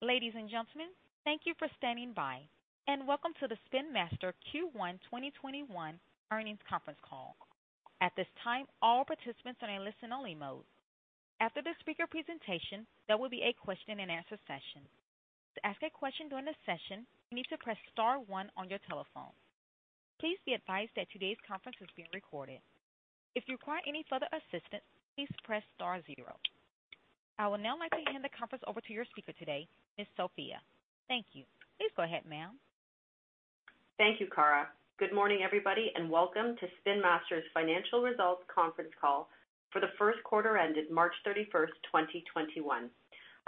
Ladies and gentlemen, thank you for standing by, and welcome to the Spin Master Q1 2021 earnings conference call. I would now like to hand the conference over to your speaker today, Ms. Sophia. Thank you. Please go ahead, ma'am. Thank you, Operator. Good morning, everybody, and welcome to Spin Master's financial results conference call for the Q1 ended March 31st, 2021.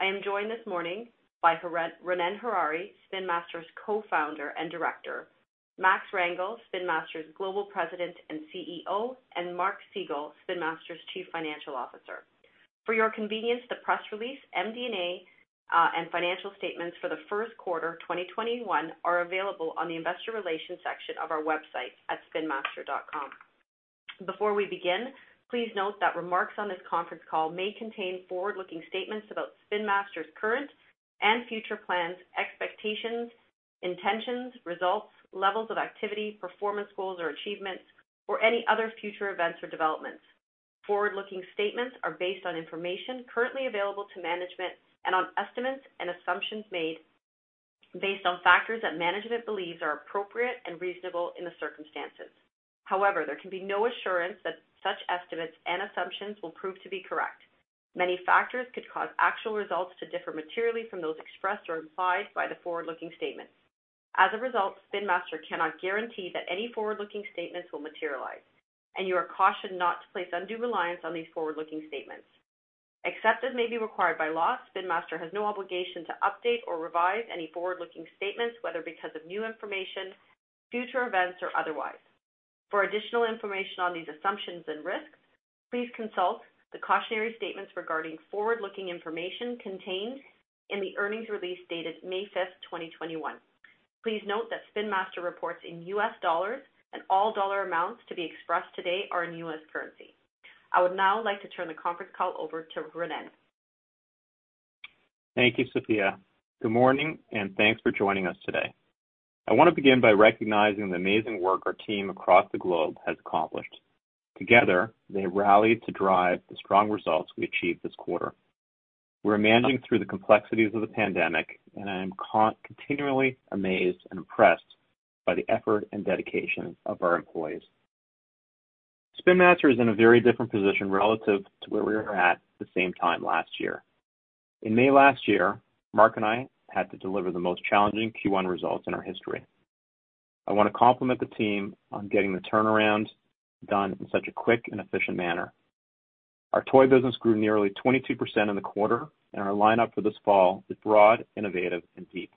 I am joined this morning by Ronnen Harary, Spin Master's Co-Founder and Director, Max Rangel, Spin Master's Global President and CEO, and Mark Segal, Spin Master's Chief Financial Officer. For your convenience, the press release, MD&A, and financial statements for the Q1 2021 are available on the investor relations section of our website at spinmaster.com. Before we begin, please note that remarks on this conference call may contain forward-looking statements about Spin Master's current and future plans, expectations, intentions, results, levels of activity, performance goals or achievements, or any other future events or developments. Forward-looking statements are based on information currently available to management and on estimates and assumptions made based on factors that management believes are appropriate and reasonable in the circumstances. However, there can be no assurance that such estimates and assumptions will prove to be correct. Many factors could cause actual results to differ materially from those expressed or implied by the forward-looking statements. As a result, Spin Master cannot guarantee that any forward-looking statements will materialize, and you are cautioned not to place undue reliance on these forward-looking statements. Except as may be required by law, Spin Master has no obligation to update or revise any forward-looking statements, whether because of new information, future events, or otherwise. For additional information on these assumptions and risks, please consult the cautionary statements regarding forward-looking information contained in the earnings release dated May 5th, 2021. Please note that Spin Master reports in U.S. dollars and all dollar amounts to be expressed today are in U.S. currency. I would now like to turn the conference call over to Ronnen. Thank you, Sophia. Good morning and thanks for joining us today. I want to begin by recognizing the amazing work our team across the globe has accomplished. Together, they rallied to drive the strong results we achieved this quarter. We're managing through the complexities of the pandemic, and I am continually amazed and impressed by the effort and dedication of our employees. Spin Master is in a very different position relative to where we were at the same time last year. In May last year, Mark and I had to deliver the most challenging Q1 results in our history. I want to compliment the team on getting the turnaround done in such a quick and efficient manner. Our toy business grew nearly 22% in the quarter, and our lineup for this fall is broad, innovative, and deep.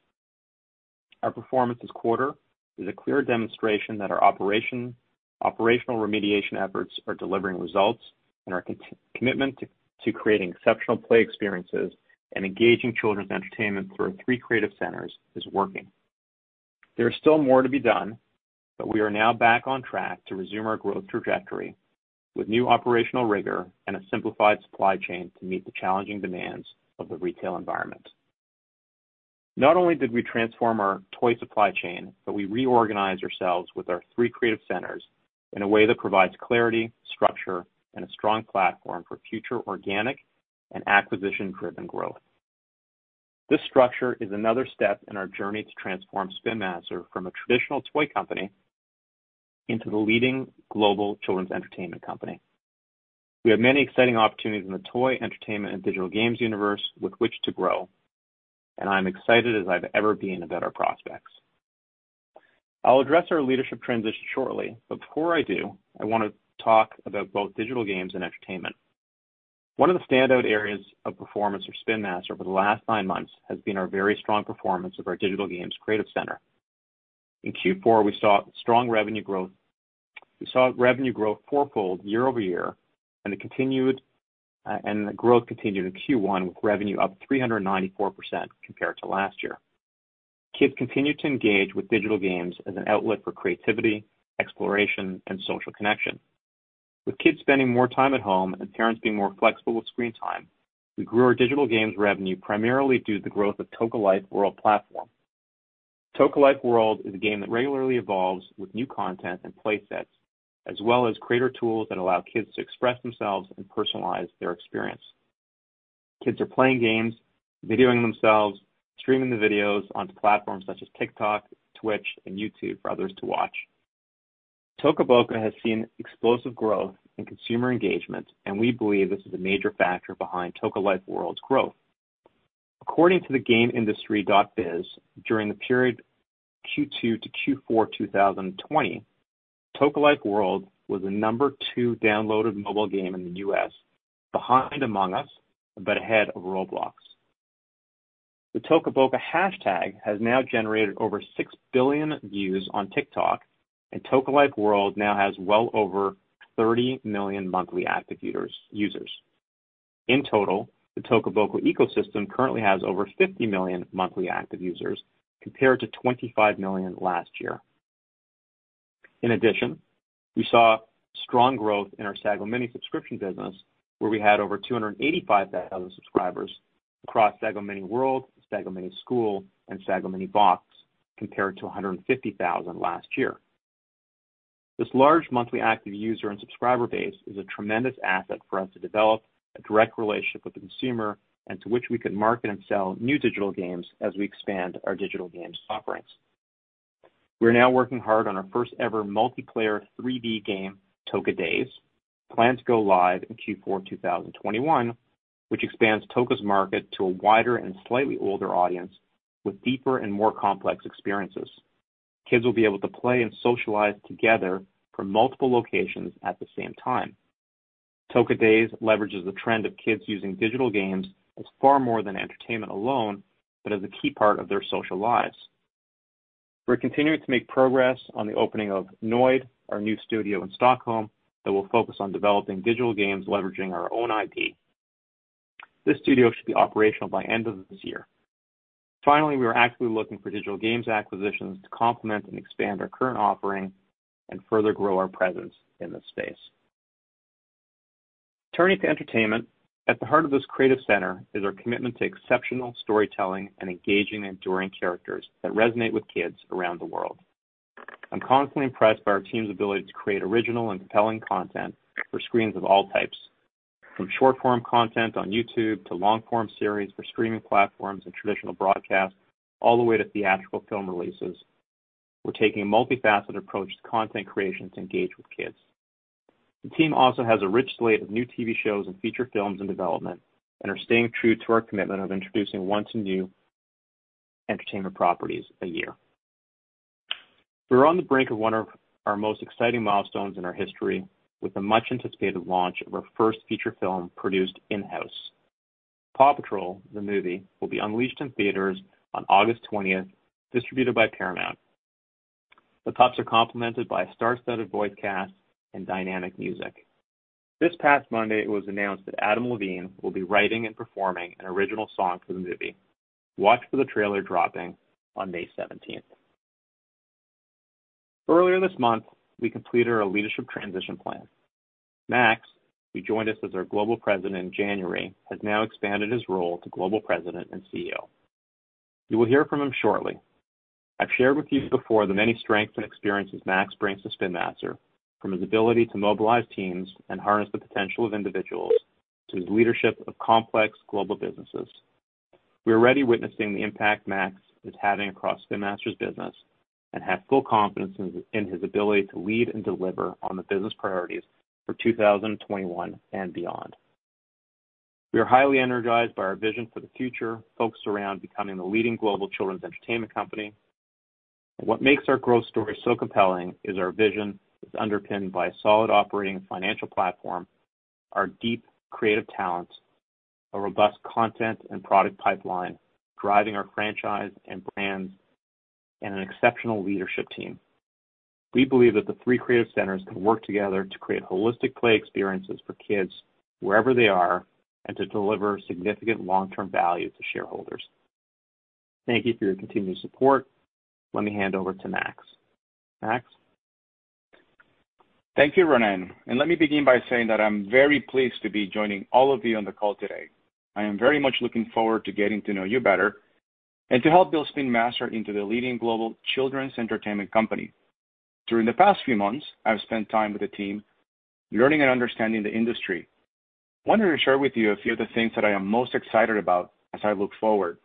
Our performance this quarter is a clear demonstration that our operational remediation efforts are delivering results, and our commitment to creating exceptional play experiences and engaging children's entertainment through our three creative centers is working. There is still more to be done, but we are now back on track to resume our growth trajectory with new operational rigor and a simplified supply chain to meet the challenging demands of the retail environment. Not only did we transform our toy supply chain, but we reorganized ourselves with our three creative centers in a way that provides clarity, structure, and a strong platform for future organic and acquisition-driven growth. This structure is another step in our journey to transform Spin Master from a traditional toy company into the leading global children's entertainment company. We have many exciting opportunities in the toy, entertainment, and digital games universe with which to grow. I'm excited as I've ever been about our prospects. I'll address our leadership transition shortly. Before I do, I want to talk about both digital games and entertainment. One of the standout areas of performance for Spin Master over the last nine months has been our very strong performance of our digital games creative center. In Q4, we saw revenue grow fourfold year-over-year. The growth continued in Q1, with revenue up 394% compared to last year. Kids continue to engage with digital games as an outlet for creativity, exploration, and social connection. With kids spending more time at home and parents being more flexible with screen time, we grew our digital games revenue primarily due to the growth of Toca Life World platform. Toca Life World is a game that regularly evolves with new content and play sets, as well as creator tools that allow kids to express themselves and personalize their experience. Kids are playing games, videoing themselves, streaming the videos onto platforms such as TikTok, Twitch, and YouTube for others to watch. Toca Boca has seen explosive growth in consumer engagement, and we believe this is a major factor behind Toca Life World's growth. According to GamesIndustry.biz, during the period Q2 to Q4 2020, Toca Life World was the number two downloaded mobile game in the U.S., behind Among Us, but ahead of Roblox. The Toca Boca hashtag has now generated over 6 billion views on TikTok, and Toca Life World now has well over 30 million monthly active users. In total, the Toca Boca ecosystem currently has over 50 million monthly active users, compared to 25 million last year. In addition, we saw strong growth in our Sago Mini subscription business, where we had over 285,000 subscribers across Sago Mini World, Sago Mini School, and Sago Mini Box, compared to 150,000 last year. This large monthly active user and subscriber base is a tremendous asset for us to develop a direct relationship with the consumer, and to which we can market and sell new digital games as we expand our digital games offerings. We're now working hard on our first-ever multiplayer 3D game, Toca Days. Plans go live in Q4 2021, which expands Toca's market to a wider and slightly older audience with deeper and more complex experiences. Kids will be able to play and socialize together from multiple locations at the same time. Toca Boca Days leverages the trend of kids using digital games as far more than entertainment alone, but as a key part of their social lives. We're continuing to make progress on the opening of Nørdlight, our new studio in Stockholm, that will focus on developing digital games, leveraging our own IP. This studio should be operational by end of this year. We are actively looking for digital games acquisitions to complement and expand our current offering and further grow our presence in this space. Turning to entertainment, at the heart of this creative center is our commitment to exceptional storytelling and engaging enduring characters that resonate with kids around the world. I'm constantly impressed by our team's ability to create original and compelling content for screens of all types, from short-form content on YouTube to long-form series for streaming platforms and traditional broadcast, all the way to theatrical film releases. We're taking a multifaceted approach to content creation to engage with kids. The team also has a rich slate of new TV shows and feature films in development and are staying true to our commitment of introducing one to two entertainment properties a year. We are on the brink of one of our most exciting milestones in our history with the much-anticipated launch of our first feature film produced in-house. PAW Patrol: The Movie will be unleashed in theaters on August 20th, distributed by Paramount. The Pups are complemented by a star-studded voice cast and dynamic music. This past Monday, it was announced that Adam Levine will be writing and performing an original song for the movie. Watch for the trailer dropping on May 17th. Earlier this month, we completed our leadership transition plan. Max, who joined us as our global president in January, has now expanded his role to Global President and CEO. You will hear from him shortly. I've shared with you before the many strengths and experiences Max brings to Spin Master, from his ability to mobilize teams and harness the potential of individuals to his leadership of complex global businesses. We're already witnessing the impact Max is having across Spin Master's business and have full confidence in his ability to lead and deliver on the business priorities for 2021 and beyond. We are highly energized by our vision for the future, focused around becoming the leading global children's entertainment company. What makes our growth story so compelling is our vision is underpinned by a solid operating and financial platform, our deep creative talents, a robust content and product pipeline driving our franchise and brands, and an exceptional leadership team. We believe that the three creative centers can work together to create holistic play experiences for kids wherever they are and to deliver significant long-term value to shareholders. Thank you for your continued support. Let me hand over to Max. Max? Thank you, Ronnen. Let me begin by saying that I'm very pleased to be joining all of you on the call today. I am very much looking forward to getting to know you better and to help build Spin Master into the leading global children's entertainment company. During the past few months, I've spent time with the team learning and understanding the industry. I wanted to share with you a few of the things that I am most excited about as I look forward.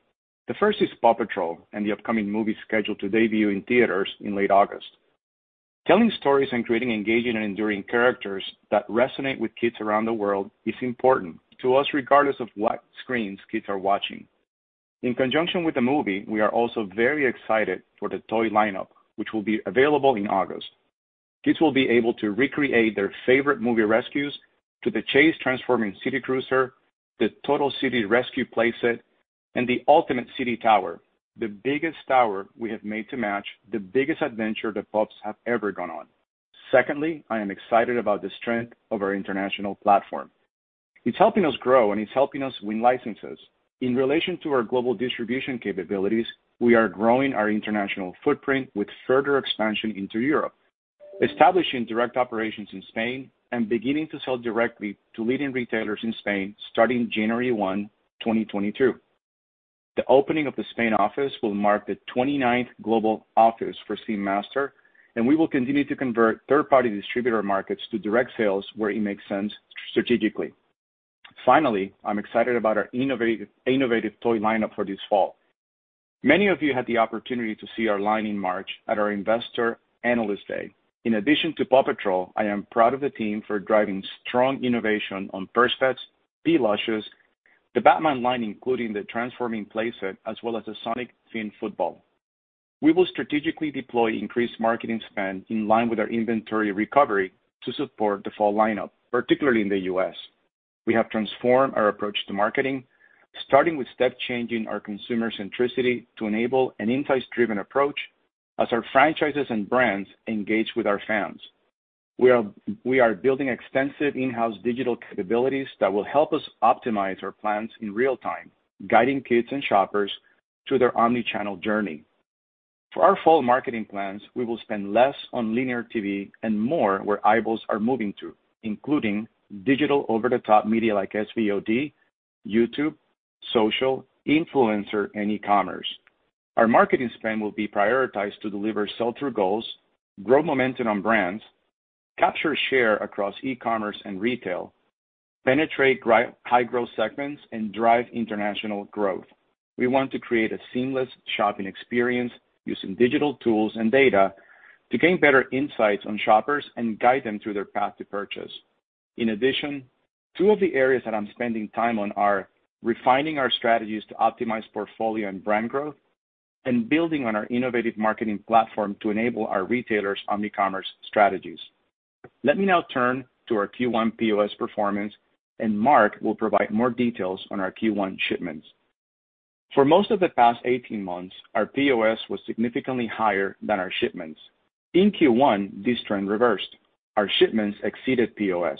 The first is PAW Patrol and the upcoming movie scheduled to debut in theaters in late August. Telling stories and creating engaging and enduring characters that resonate with kids around the world is important to us, regardless of what screens kids are watching. In conjunction with the movie, we are also very excited for the toy lineup, which will be available in August. Kids will be able to recreate their favorite movie rescues to the Chase Transforming City Cruiser, the Total City Rescue Play Set, and the Ultimate City Tower, the biggest tower we have made to match the biggest adventure the pups have ever gone on. Secondly, I am excited about the strength of our international platform. It's helping us grow, and it's helping us win licenses. In relation to our global distribution capabilities, we are growing our international footprint with further expansion into Europe, establishing direct operations in Spain and beginning to sell directly to leading retailers in Spain starting January one, 2022. The opening of the Spain office will mark the 29th global office for Spin Master, and we will continue to convert third-party distributor markets to direct sales where it makes sense strategically. Finally, I'm excited about our innovative toy lineup for this fall. Many of you had the opportunity to see our line in March at our Investor Analyst Day. In addition to PAW Patrol, I am proud of the team for driving strong innovation on Purse Pets, P.Lushes Pets, the Batman line, including the transforming play set, as well as the Sonic Fin Football. We will strategically deploy increased marketing spend in line with our inventory recovery to support the fall lineup, particularly in the U.S. We have transformed our approach to marketing, starting with step changing our consumer centricity to enable an insights-driven approach as our franchises and brands engage with our fans. We are building extensive in-house digital capabilities that will help us optimize our plans in real time, guiding kids and shoppers through their omni-channel journey. For our fall marketing plans, we will spend less on linear TV and more where eyeballs are moving to, including digital over-the-top media like SVOD, YouTube, social, influencer, and e-commerce. Our marketing spend will be prioritized to deliver sell-through goals, grow momentum on brands, capture share across e-commerce and retail, penetrate high-growth segments, and drive international growth. We want to create a seamless shopping experience using digital tools and data to gain better insights on shoppers and guide them through their path to purchase. In addition, two of the areas that I'm spending time on are refining our strategies to optimize portfolio and brand growth, and building on our innovative marketing platform to enable our retailers' omni-commerce strategies. Let me now turn to our Q1 POS performance, and Mark will provide more details on our Q1 shipments. For most of the past 18 months, our POS was significantly higher than our shipments. In Q1, this trend reversed. Our shipments exceeded POS.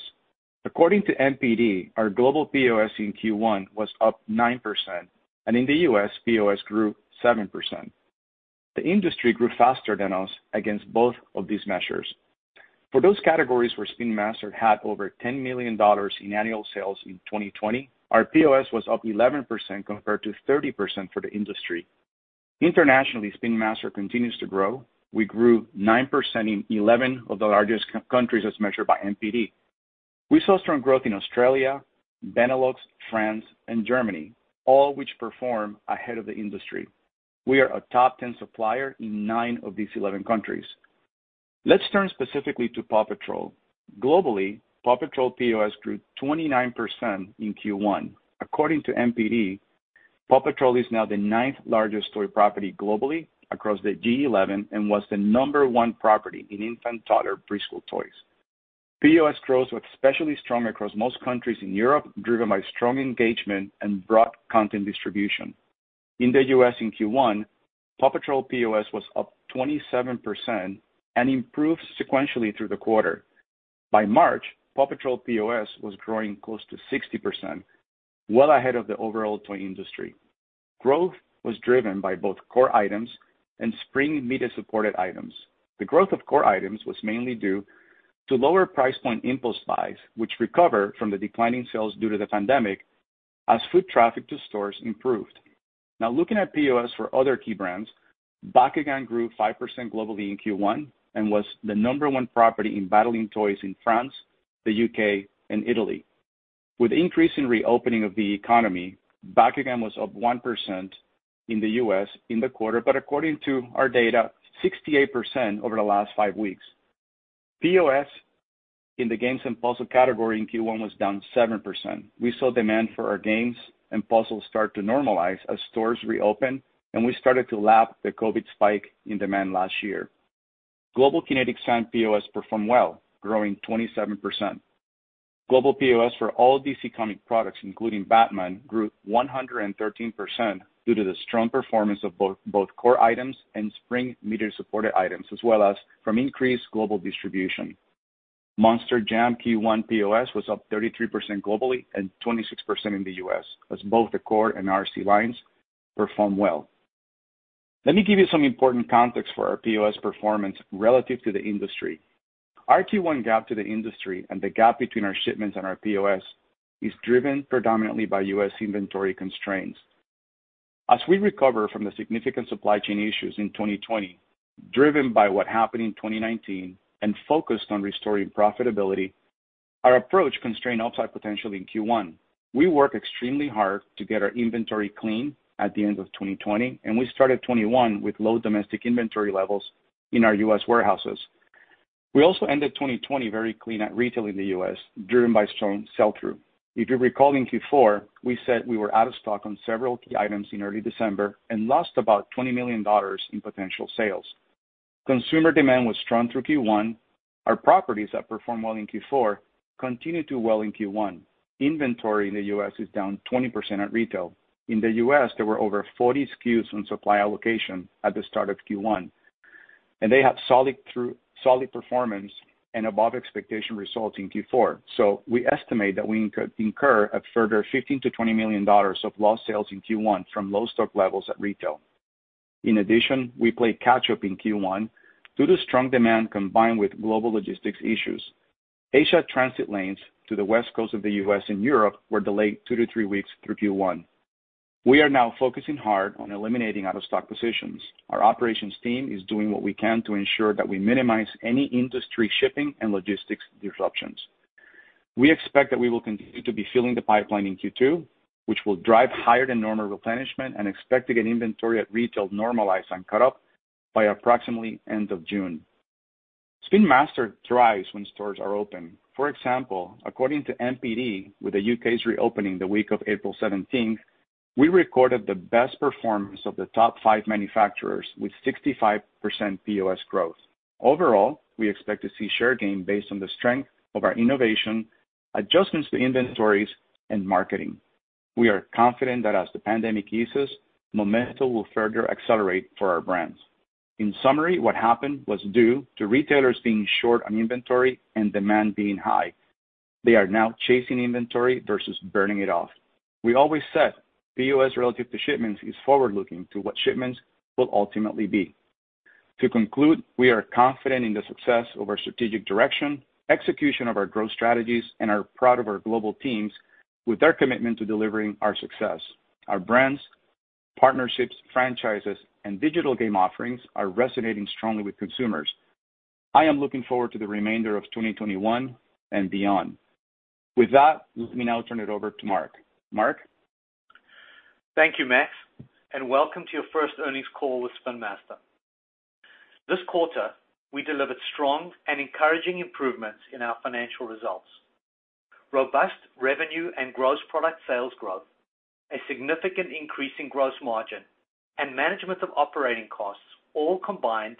According to NPD, our global POS in Q1 was up 9%, and in the U.S., POS grew 7%. The industry grew faster than us against both of these measures. For those categories where Spin Master had over $10 million in annual sales in 2020, our POS was up 11% compared to 30% for the industry. Internationally, Spin Master continues to grow. We grew 9% in 11 of the largest countries as measured by NPD. We saw strong growth in Australia, Benelux, France, and Germany, all which perform ahead of the industry. We are a top 10 supplier in nine of these 11 countries. Let's turn specifically to PAW Patrol. Globally, PAW Patrol POS grew 29% in Q1. According to The NPD Group, PAW Patrol is now the ninth largest toy property globally across the G11 and was the number one property in infant, toddler, preschool toys. POS growth was especially strong across most countries in Europe, driven by strong engagement and broad content distribution. In the U.S. in Q1, PAW Patrol POS was up 27% and improved sequentially through the quarter. By March, PAW Patrol POS was growing close to 60%, well ahead of the overall toy industry. Growth was driven by both core items and spring media-supported items. The growth of core items was mainly due to lower price point impulse buys, which recovered from the declining sales due to the pandemic as foot traffic to stores improved. Looking at POS for other key brands, Bakugan grew 5% globally in Q1 and was the number one property in battling toys in France, the U.K., and Italy. With increase in reopening of the economy, Bakugan was up 1% in the U.S. in the quarter, according to our data, 68% over the last five weeks. POS in the games and puzzle category in Q1 was down 7%. We saw demand for our games and puzzles start to normalize as stores reopened, we started to lap the COVID spike in demand last year. Global Kinetic Sand POS performed well, growing 27%. Global POS for all DC Comics products, including Batman, grew 113% due to the strong performance of both core items and spring media-supported items, as well as from increased global distribution. Monster Jam Q1 POS was up 33% globally and 26% in the U.S., as both the core and RC lines performed well. Let me give you some important context for our POS performance relative to the industry. Our Q1 gap to the industry and the gap between our shipments and our POS is driven predominantly by U.S. inventory constraints. As we recover from the significant supply chain issues in 2020, driven by what happened in 2019 and focused on restoring profitability, our approach constrained upside potential in Q1. We worked extremely hard to get our inventory clean at the end of 2020, and we started 2021 with low domestic inventory levels in our U.S. warehouses. We also ended 2020 very clean at retail in the U.S., driven by strong sell-through. If you recall, in Q4, we said we were out of stock on several key items in early December and lost about $20 million in potential sales. Consumer demand was strong through Q1. Our properties that performed well in Q4 continued to well in Q1. Inventory in the U.S. is down 20% at retail. In the U.S., there were over 40 SKUs on supply allocation at the start of Q1, and they had solid performance and above expectation results in Q4. We estimate that we could incur a further $15 million-$20 million of lost sales in Q1 from low stock levels at retail. In addition, we played catch up in Q1 due to strong demand combined with global logistics issues. Asia transit lanes to the West Coast of the U.S. and Europe were delayed two to three weeks through Q1. We are now focusing hard on eliminating out-of-stock positions. Our operations team is doing what we can to ensure that we minimize any industry shipping and logistics disruptions. We expect that we will continue to be filling the pipeline in Q2, which will drive higher than normal replenishment and expect to get inventory at retail normalized and caught up by approximately end of June. Spin Master thrives when stores are open. For example, according to The NPD Group, with the U.K.'s reopening the week of April 17th, we recorded the best performance of the top five manufacturers with 65% POS growth. Overall, we expect to see share gain based on the strength of our innovation, adjustments to inventories, and marketing. We are confident that as the pandemic eases, momentum will further accelerate for our brands. In summary, what happened was due to retailers being short on inventory and demand being high. They are now chasing inventory versus burning it off. We always said POS relative to shipments is forward-looking to what shipments will ultimately be. To conclude, we are confident in the success of our strategic direction, execution of our growth strategies, and are proud of our global teams with their commitment to delivering our success. Our brands, partnerships, franchises, and digital game offerings are resonating strongly with consumers. I am looking forward to the remainder of 2021 and beyond. With that, let me now turn it over to Mark. Mark? Thank you, Max, and welcome to your first earnings call with Spin Master. This quarter, we delivered strong and encouraging improvements in our financial results. Robust revenue and gross product sales growth, a significant increase in gross margin, and management of operating costs all combined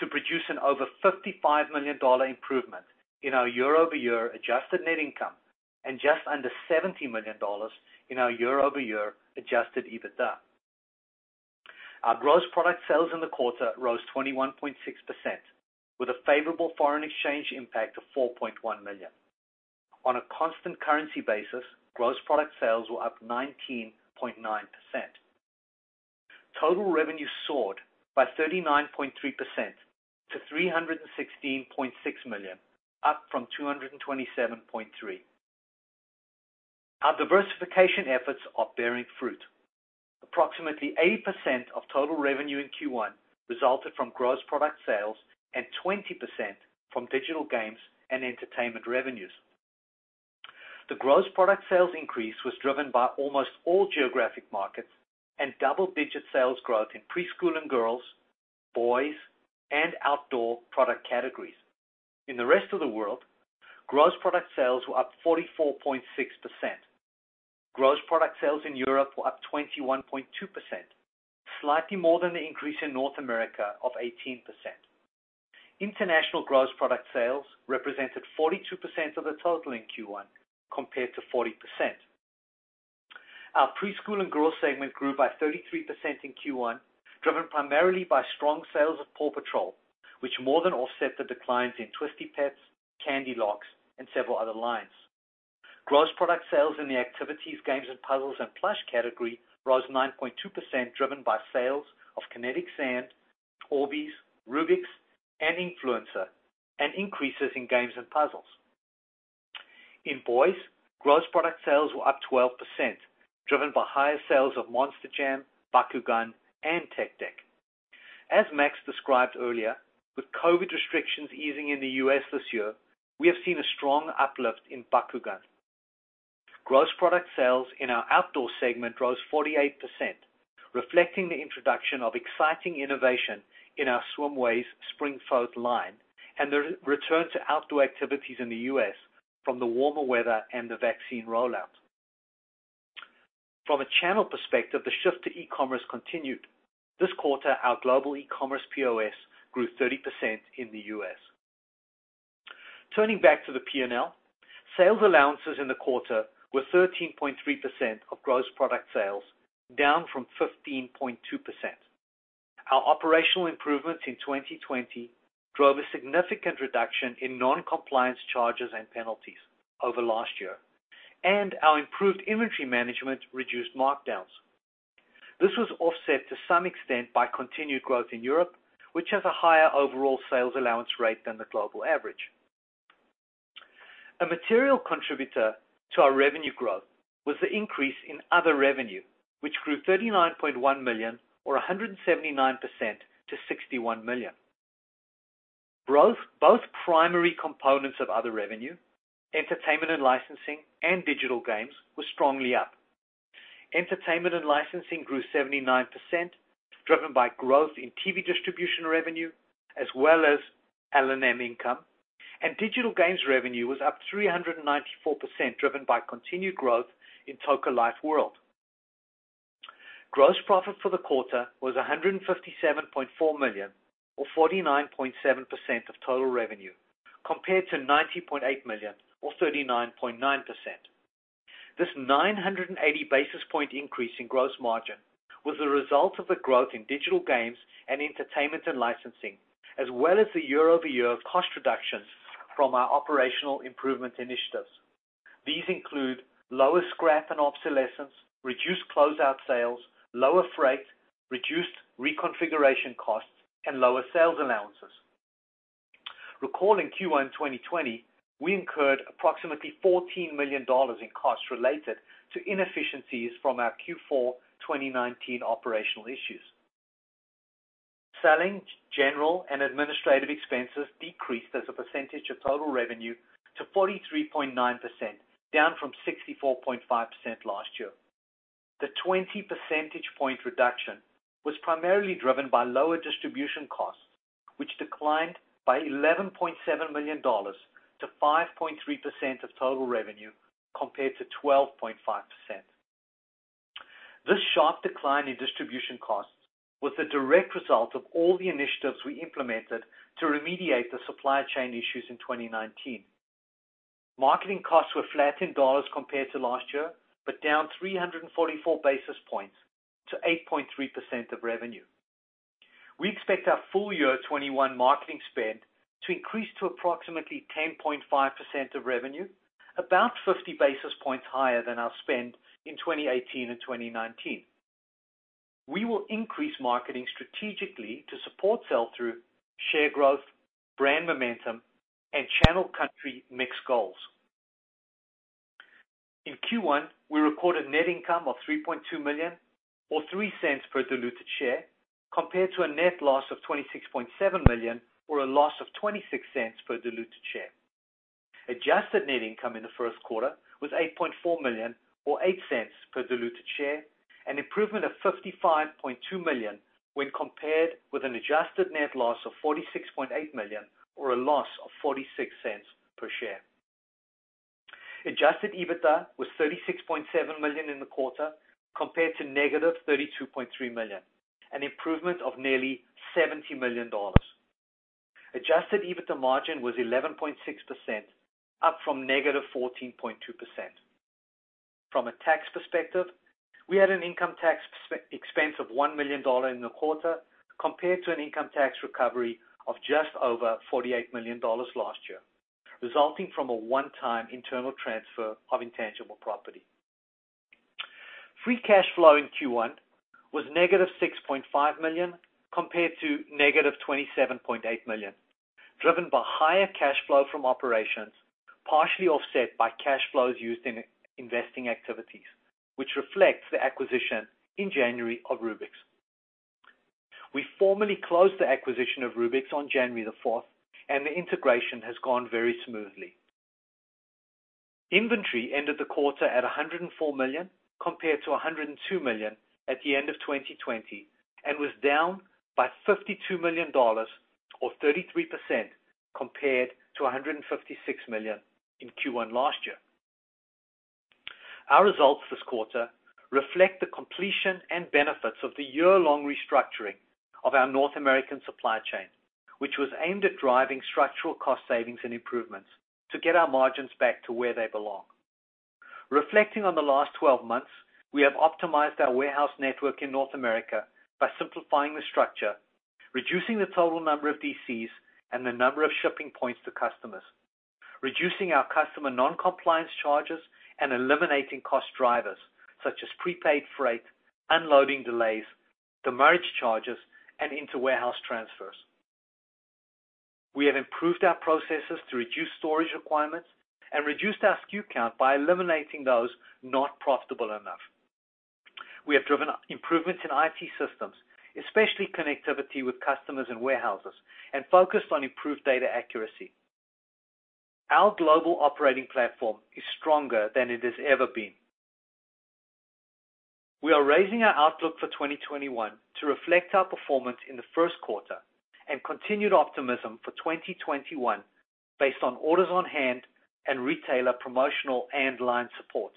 to produce an over $55 million improvement in our year-over-year adjusted net income, and just under $70 million in our year-over-year adjusted EBITDA. Our gross product sales in the quarter rose 21.6%, with a favorable foreign exchange impact of $4.1 million. On a constant currency basis, gross product sales were up 19.9%. Total revenue soared by 39.3%-$316.6 million, up from $227.3 million. Our diversification efforts are bearing fruit. Approximately 80% of total revenue in Q1 resulted from gross product sales and 20% from digital games and entertainment revenues. The gross product sales increase was driven by almost all geographic markets and double-digit sales growth in preschool and girls, boys, and outdoor product categories. In the rest of the world, gross product sales were up 44.6%. Gross product sales in Europe were up 21.2%, slightly more than the increase in North America of 18%. International gross product sales represented 42% of the total in Q1 compared to 40%. Our preschool and girls segment grew by 33% in Q1, driven primarily by strong sales of PAW Patrol, which more than offset the declines in Twisty Petz, Candylocks, and several other lines. Gross product sales in the activities, games and puzzles, and plush category rose 9.2%, driven by sales of Kinetic Sand, Orbeez, Rubik's, and Influencer, and increases in games and puzzles. In boys, gross product sales were up 12%, driven by higher sales of Monster Jam, Bakugan, and Tech Deck. As Max described earlier, with COVID restrictions easing in the U.S. this year, we have seen a strong uplift in Bakugan. Gross product sales in our outdoor segment rose 48%, reflecting the introduction of exciting innovation in our SwimWays Spring Float line and the return to outdoor activities in the U.S. from the warmer weather and the vaccine rollout. From a channel perspective, the shift to e-commerce continued. This quarter, our global e-commerce POS grew 30% in the U.S. Turning back to the P&L, sales allowances in the quarter were 13.3% of gross product sales, down from 15.2%. Our operational improvements in 2020 drove a significant reduction in non-compliance charges and penalties over last year, and our improved inventory management reduced markdowns. This was offset to some extent by continued growth in Europe, which has a higher overall sales allowance rate than the global average. A material contributor to our revenue growth was the increase in other revenue, which grew $39.1 million or 179% to $61 million. Both primary components of other revenue, entertainment and licensing and digital games, were strongly up. Entertainment and licensing grew 79%, driven by growth in TV distribution revenue as well as L&M income. Digital games revenue was up 394%, driven by continued growth in Toca Life World. Gross profit for the quarter was $157.4 million or 49.7% of total revenue compared to $90.8 million or 39.9%. This 980 basis point increase in gross margin was the result of the growth in digital games and entertainment and licensing, as well as the year-over-year cost reductions from our operational improvement initiatives. These include lower scrap and obsolescence, reduced closeout sales, lower freight, reduced reconfiguration costs, and lower sales allowances. Recalling Q1 2020, we incurred approximately $14 million in costs related to inefficiencies from our Q4 2019 operational issues. Selling, general and administrative expenses decreased as a percentage of total revenue to 43.9%, down from 64.5% last year. The 20 percentage point reduction was primarily driven by lower distribution costs, which declined by $11.7 million to 5.3% of total revenue compared to 12.5%. This sharp decline in distribution costs was the direct result of all the initiatives we implemented to remediate the supply chain issues in 2019. Marketing costs were flat in dollars compared to last year, but down 344 basis points to 8.3% of revenue. We expect our full year 2021 marketing spend to increase to approximately 10.5% of revenue, about 50 basis points higher than our spend in 2018 and 2019. We will increase marketing strategically to support sell-through, share growth, brand momentum, and channel country mix goals. In Q1, we recorded net income of $3.2 million or $0.03 per diluted share compared to a net loss of $26.7 million or a loss of $0.26 per diluted share. Adjusted net income in the Q1 was $8.4 million or $0.08 per diluted share, an improvement of $55.2 million when compared with an adjusted net loss of $46.8 million or a loss of $0.46 per share. Adjusted EBITDA was $36.7 million in the quarter compared to -$32.3 million, an improvement of nearly $70 million. Adjusted EBITDA margin was 11.6%, up from -14.2%. From a tax perspective, we had an income tax expense of $1 million in the quarter compared to an income tax recovery of just over $48 million last year, resulting from a one-time internal transfer of intangible property. Free cash flow in Q1 was -$6.5 million compared to -$27.8 million, driven by higher cash flow from operations, partially offset by cash flows used in investing activities, which reflects the acquisition in January of Rubik's. We formally closed the acquisition of Rubik's on January 4th, and the integration has gone very smoothly. Inventory ended the quarter at $104 million, compared to $102 million at the end of 2020, and was down by $52 million, or 33%, compared to $156 million in Q1 last year. Our results this quarter reflect the completion and benefits of the year-long restructuring of our North American supply chain, which was aimed at driving structural cost savings and improvements to get our margins back to where they belong. Reflecting on the last 12 months, we have optimized our warehouse network in North America by simplifying the structure, reducing the total number of DCs, and the number of shipping points to customers, reducing our customer non-compliance charges, and eliminating cost drivers such as prepaid freight, unloading delays, demurrage charges, and into warehouse transfers. We have improved our processes to reduce storage requirements and reduced our SKU count by eliminating those not profitable enough. We have driven improvements in IT systems, especially connectivity with customers and warehouses, and focused on improved data accuracy. Our global operating platform is stronger than it has ever been. We are raising our outlook for 2021 to reflect our performance in the Q1 and continued optimism for 2021 based on orders on hand and retailer promotional and line support.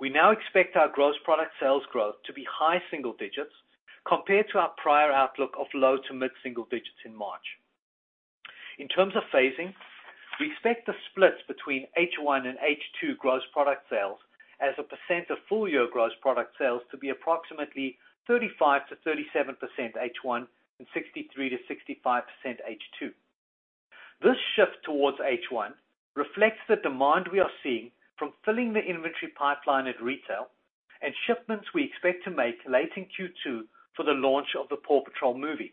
We now expect our gross product sales growth to be high single digits compared to our prior outlook of low to mid single digits in March. In terms of phasing, we expect the splits between H1 and H2 gross product sales as a % of full-year gross product sales to be approximately 35%-37% H1 and 63%-65% H2. This shift towards H1 reflects the demand we are seeing from filling the inventory pipeline at retail and shipments we expect to make late in Q2 for the launch of the PAW Patrol: The Movie.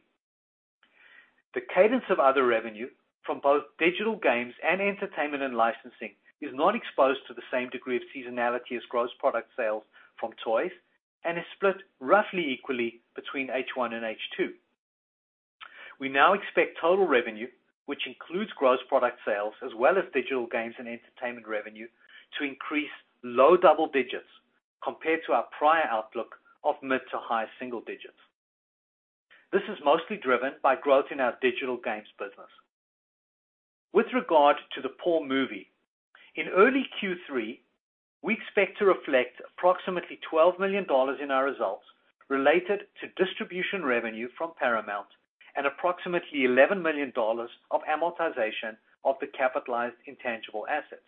The cadence of other revenue from both digital games and entertainment and licensing is not exposed to the same degree of seasonality as gross product sales from toys and is split roughly equally between H1 and H2. We now expect total revenue, which includes gross product sales as well as digital games and entertainment revenue, to increase low double digits compared to our prior outlook of mid to high single digits. This is mostly driven by growth in our digital games business. With regard to the PAW Patrol: The Movie, in early Q3, we expect to reflect approximately $12 million in our results related to distribution revenue from Paramount and approximately $11 million of amortization of the capitalized intangible asset.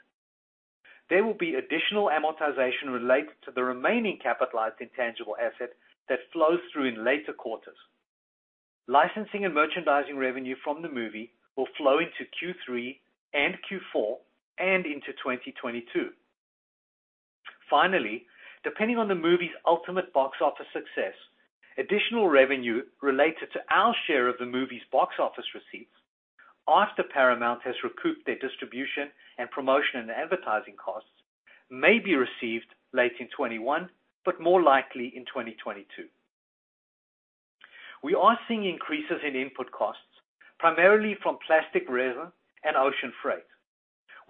There will be additional amortization related to the remaining capitalized intangible asset that flows through in later quarters. Licensing and merchandising revenue from the movie will flow into Q3 and Q4 and into 2022. Depending on the movie's ultimate box office success, additional revenue related to our share of the movie's box office receipts after Paramount has recouped their distribution and promotion and advertising costs, may be received late in 2021, but more likely in 2022. We are seeing increases in input costs, primarily from plastic resin and ocean freight.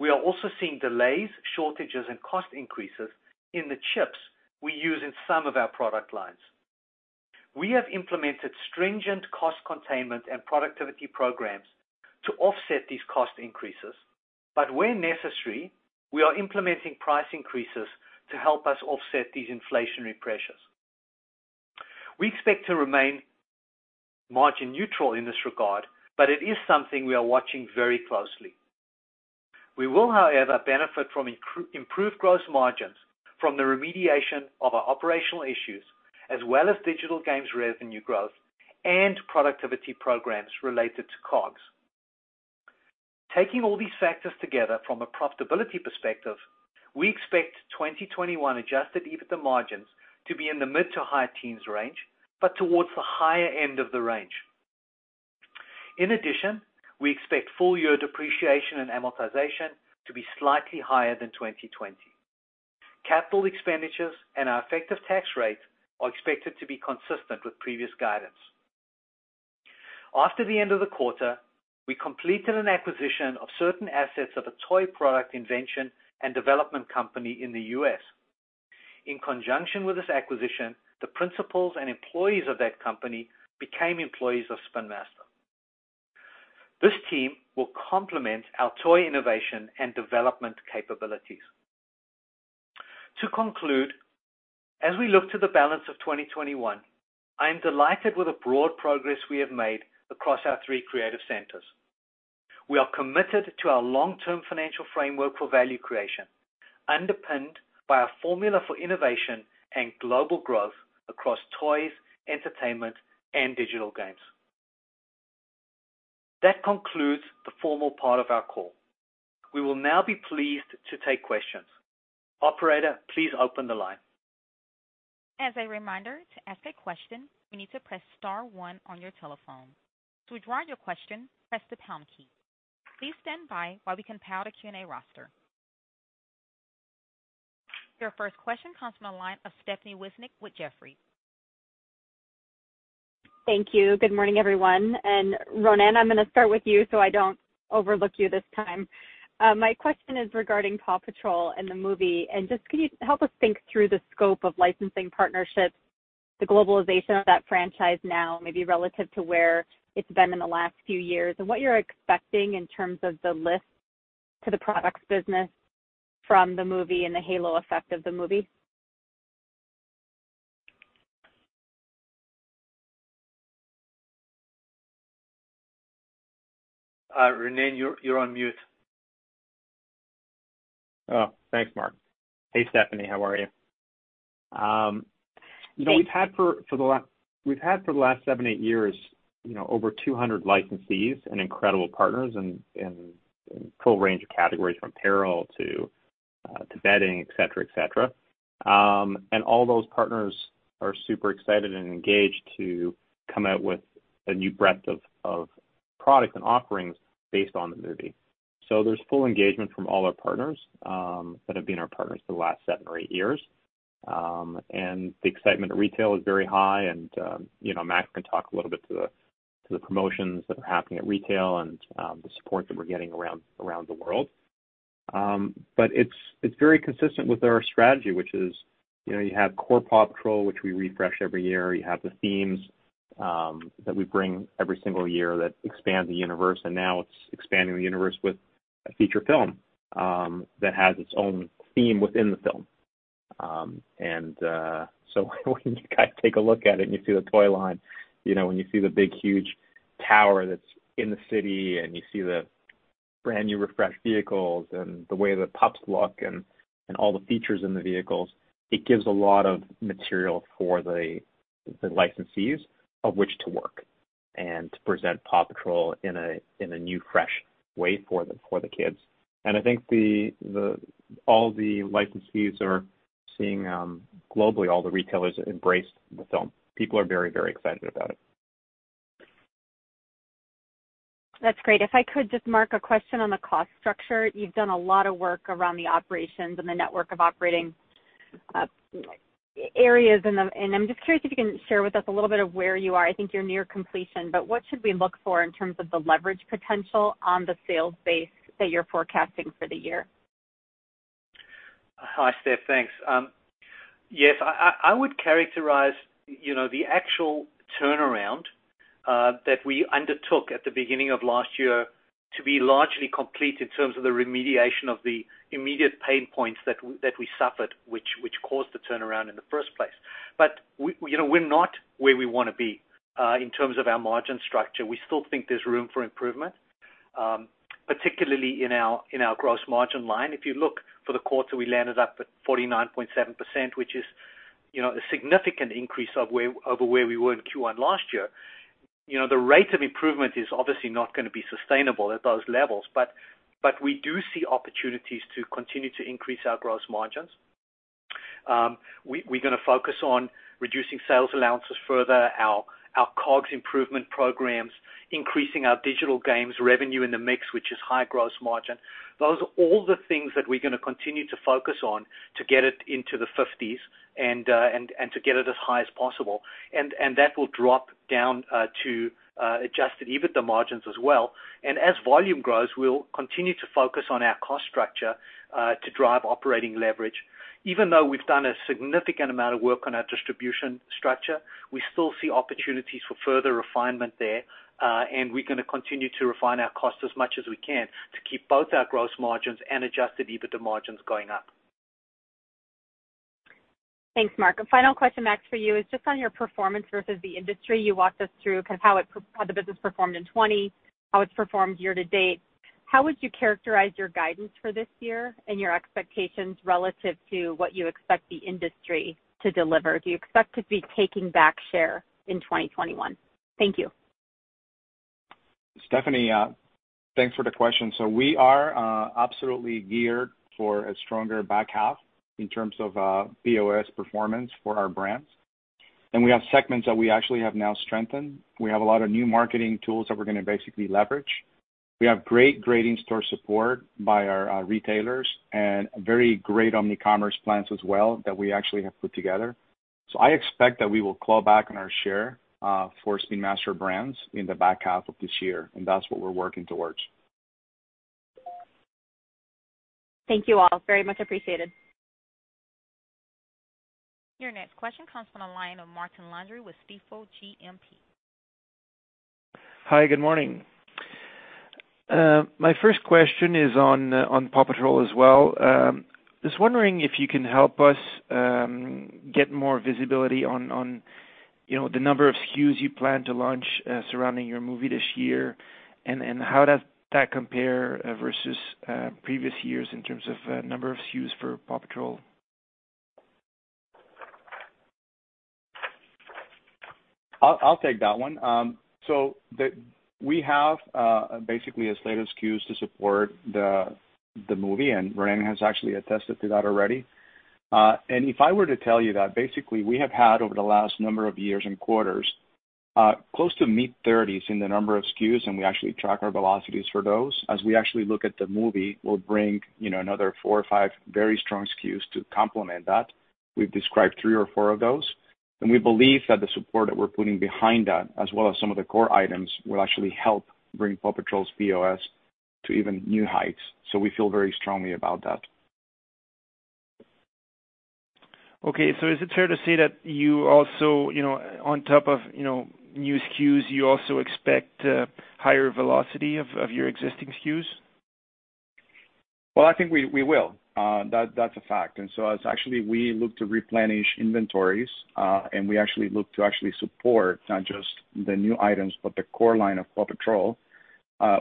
We are also seeing delays, shortages, and cost increases in the chips we use in some of our product lines. We have implemented stringent cost containment and productivity programs to offset these cost increases. Where necessary, we are implementing price increases to help us offset these inflationary pressures. We expect to remain margin neutral in this regard, but it is something we are watching very closely. We will, however, benefit from improved gross margins from the remediation of our operational issues, as well as digital games revenue growth and productivity programs related to COGS. Taking all these factors together from a profitability perspective, we expect 2021 adjusted EBITDA margins to be in the mid to high teens range, but towards the higher end of the range. In addition, we expect full year depreciation and amortization to be slightly higher than 2020. Capital expenditures and our effective tax rate are expected to be consistent with previous guidance. After the end of the quarter, we completed an acquisition of certain assets of a toy product invention and development company in the U.S. In conjunction with this acquisition, the principals and employees of that company became employees of Spin Master. This team will complement our toy innovation and development capabilities. To conclude, as we look to the balance of 2021, I am delighted with the broad progress we have made across our three creative centers. We are committed to our long-term financial framework for value creation, underpinned by a formula for innovation and global growth across toys, entertainment, and digital games. That concludes the formal part of our call. We will now be pleased to take questions. Operator, please open the line. Your first question comes from the line of Stephanie Wissink with Jefferies. Thank you. Good morning, everyone. Ronnen, I'm going to start with you so I don't overlook you this time. My question is regarding PAW Patrol and PAW Patrol: The Movie, just could you help us think through the scope of licensing partnerships, the globalization of that franchise now, maybe relative to where it's been in the last few years, and what you're expecting in terms of the lift to the products business from the movie and the halo effect of the movie? Ronnen, you're on mute. Oh, thanks, Mark. Hey, Stephanie. How are you? Great. We've had for the last seven, eight years over 200 licensees and incredible partners in a full range of categories, from apparel to bedding, et cetera. All those partners are super excited and engaged to come out with a new breadth of products and offerings based on the movie. There's full engagement from all our partners that have been our partners for the last seven or eight years. The excitement at retail is very high and, Max can talk a little bit to the promotions that are happening at retail and the support that we're getting around the world. It's very consistent with our strategy, which is you have core PAW Patrol, which we refresh every year. You have the themes that we bring every single year that expand the universe, and now it's expanding the universe with a feature film that has its own theme within the film. When you take a look at it and you see the toy line, when you see the big, huge tower that's in the city, and you see the brand new refreshed vehicles and the way the pups look and all the features in the vehicles, it gives a lot of material for the licensees of which to work and to present PAW Patrol in a new, fresh way for the kids. I think all the licensees are seeing globally all the retailers embrace the film. People are very excited about it. That's great. If I could just, Mark, a question on the cost structure. You've done a lot of work around the operations and the network of operating areas, and I'm just curious if you can share with us a little bit of where you are. I think you're near completion, but what should we look for in terms of the leverage potential on the sales base that you're forecasting for the year? Hi, Stephanie. Thanks. Yes, I would characterize the actual turnaround that we undertook at the beginning of last year to be largely complete in terms of the remediation of the immediate pain points that we suffered, which caused the turnaround in the first place. We're not where we want to be in terms of our margin structure. We still think there's room for improvement, particularly in our gross margin line. If you look for the quarter, we landed up at 49.7%, which is a significant increase over where we were in Q1 last year. The rate of improvement is obviously not going to be sustainable at those levels, but we do see opportunities to continue to increase our gross margins. We're going to focus on reducing sales allowances further, our COGS improvement programs, increasing our digital games revenue in the mix, which is high gross margin. Those are all the things that we're going to continue to focus on to get it into the fifties and to get it as high as possible. That will drop down to adjusted EBITDA margins as well. As volume grows, we'll continue to focus on our cost structure to drive operating leverage. Even though we've done a significant amount of work on our distribution structure, we still see opportunities for further refinement there. We're going to continue to refine our costs as much as we can to keep both our gross margins and adjusted EBITDA margins going up. Thanks, Mark. A final question, Max, for you is just on your performance versus the industry. You walked us through how the business performed in 2020, how it's performed year-to-date. How would you characterize your guidance for this year and your expectations relative to what you expect the industry to deliver? Do you expect to be taking back share in 2021? Thank you. Stephanie, thanks for the question. We are absolutely geared for a stronger back half in terms of POS performance for our brands. We have segments that we actually have now strengthened. We have a lot of new marketing tools that we're going to basically leverage. We have great grading store support by our retailers and very great omnicommerce plans as well that we actually have put together. I expect that we will claw back on our share for Spin Master brands in the back half of this year, and that's what we're working towards. Thank you all. Very much appreciated. Your next question comes from the line of Martin Landry with Stifel GMP. Hi, good morning. My first question is on PAW Patrol as well. Just wondering if you can help us get more visibility on the number of SKUs you plan to launch surrounding your movie this year, and how does that compare versus previous years in terms of number of SKUs for PAW Patrol? I'll take that one. We have basically a slate of SKUs to support the movie, and Ronnan has actually attested to that already. If I were to tell you that basically we have had over the last number of years and quarters, close to mid-30s in the number of SKUs, and we actually track our velocities for those. As we actually look at the movie, we'll bring another four or five very strong SKUs to complement that. We've described three or four of those, and we believe that the support that we're putting behind that, as well as some of the core items, will actually help bring PAW Patrol's POS to even new heights. We feel very strongly about that. Okay. Is it fair to say that you also, on top of new SKUs, you also expect higher velocity of your existing SKUs? Well, I think we will. That's a fact. As actually we look to replenish inventories, and we actually look to actually support not just the new items, but the core line of PAW Patrol,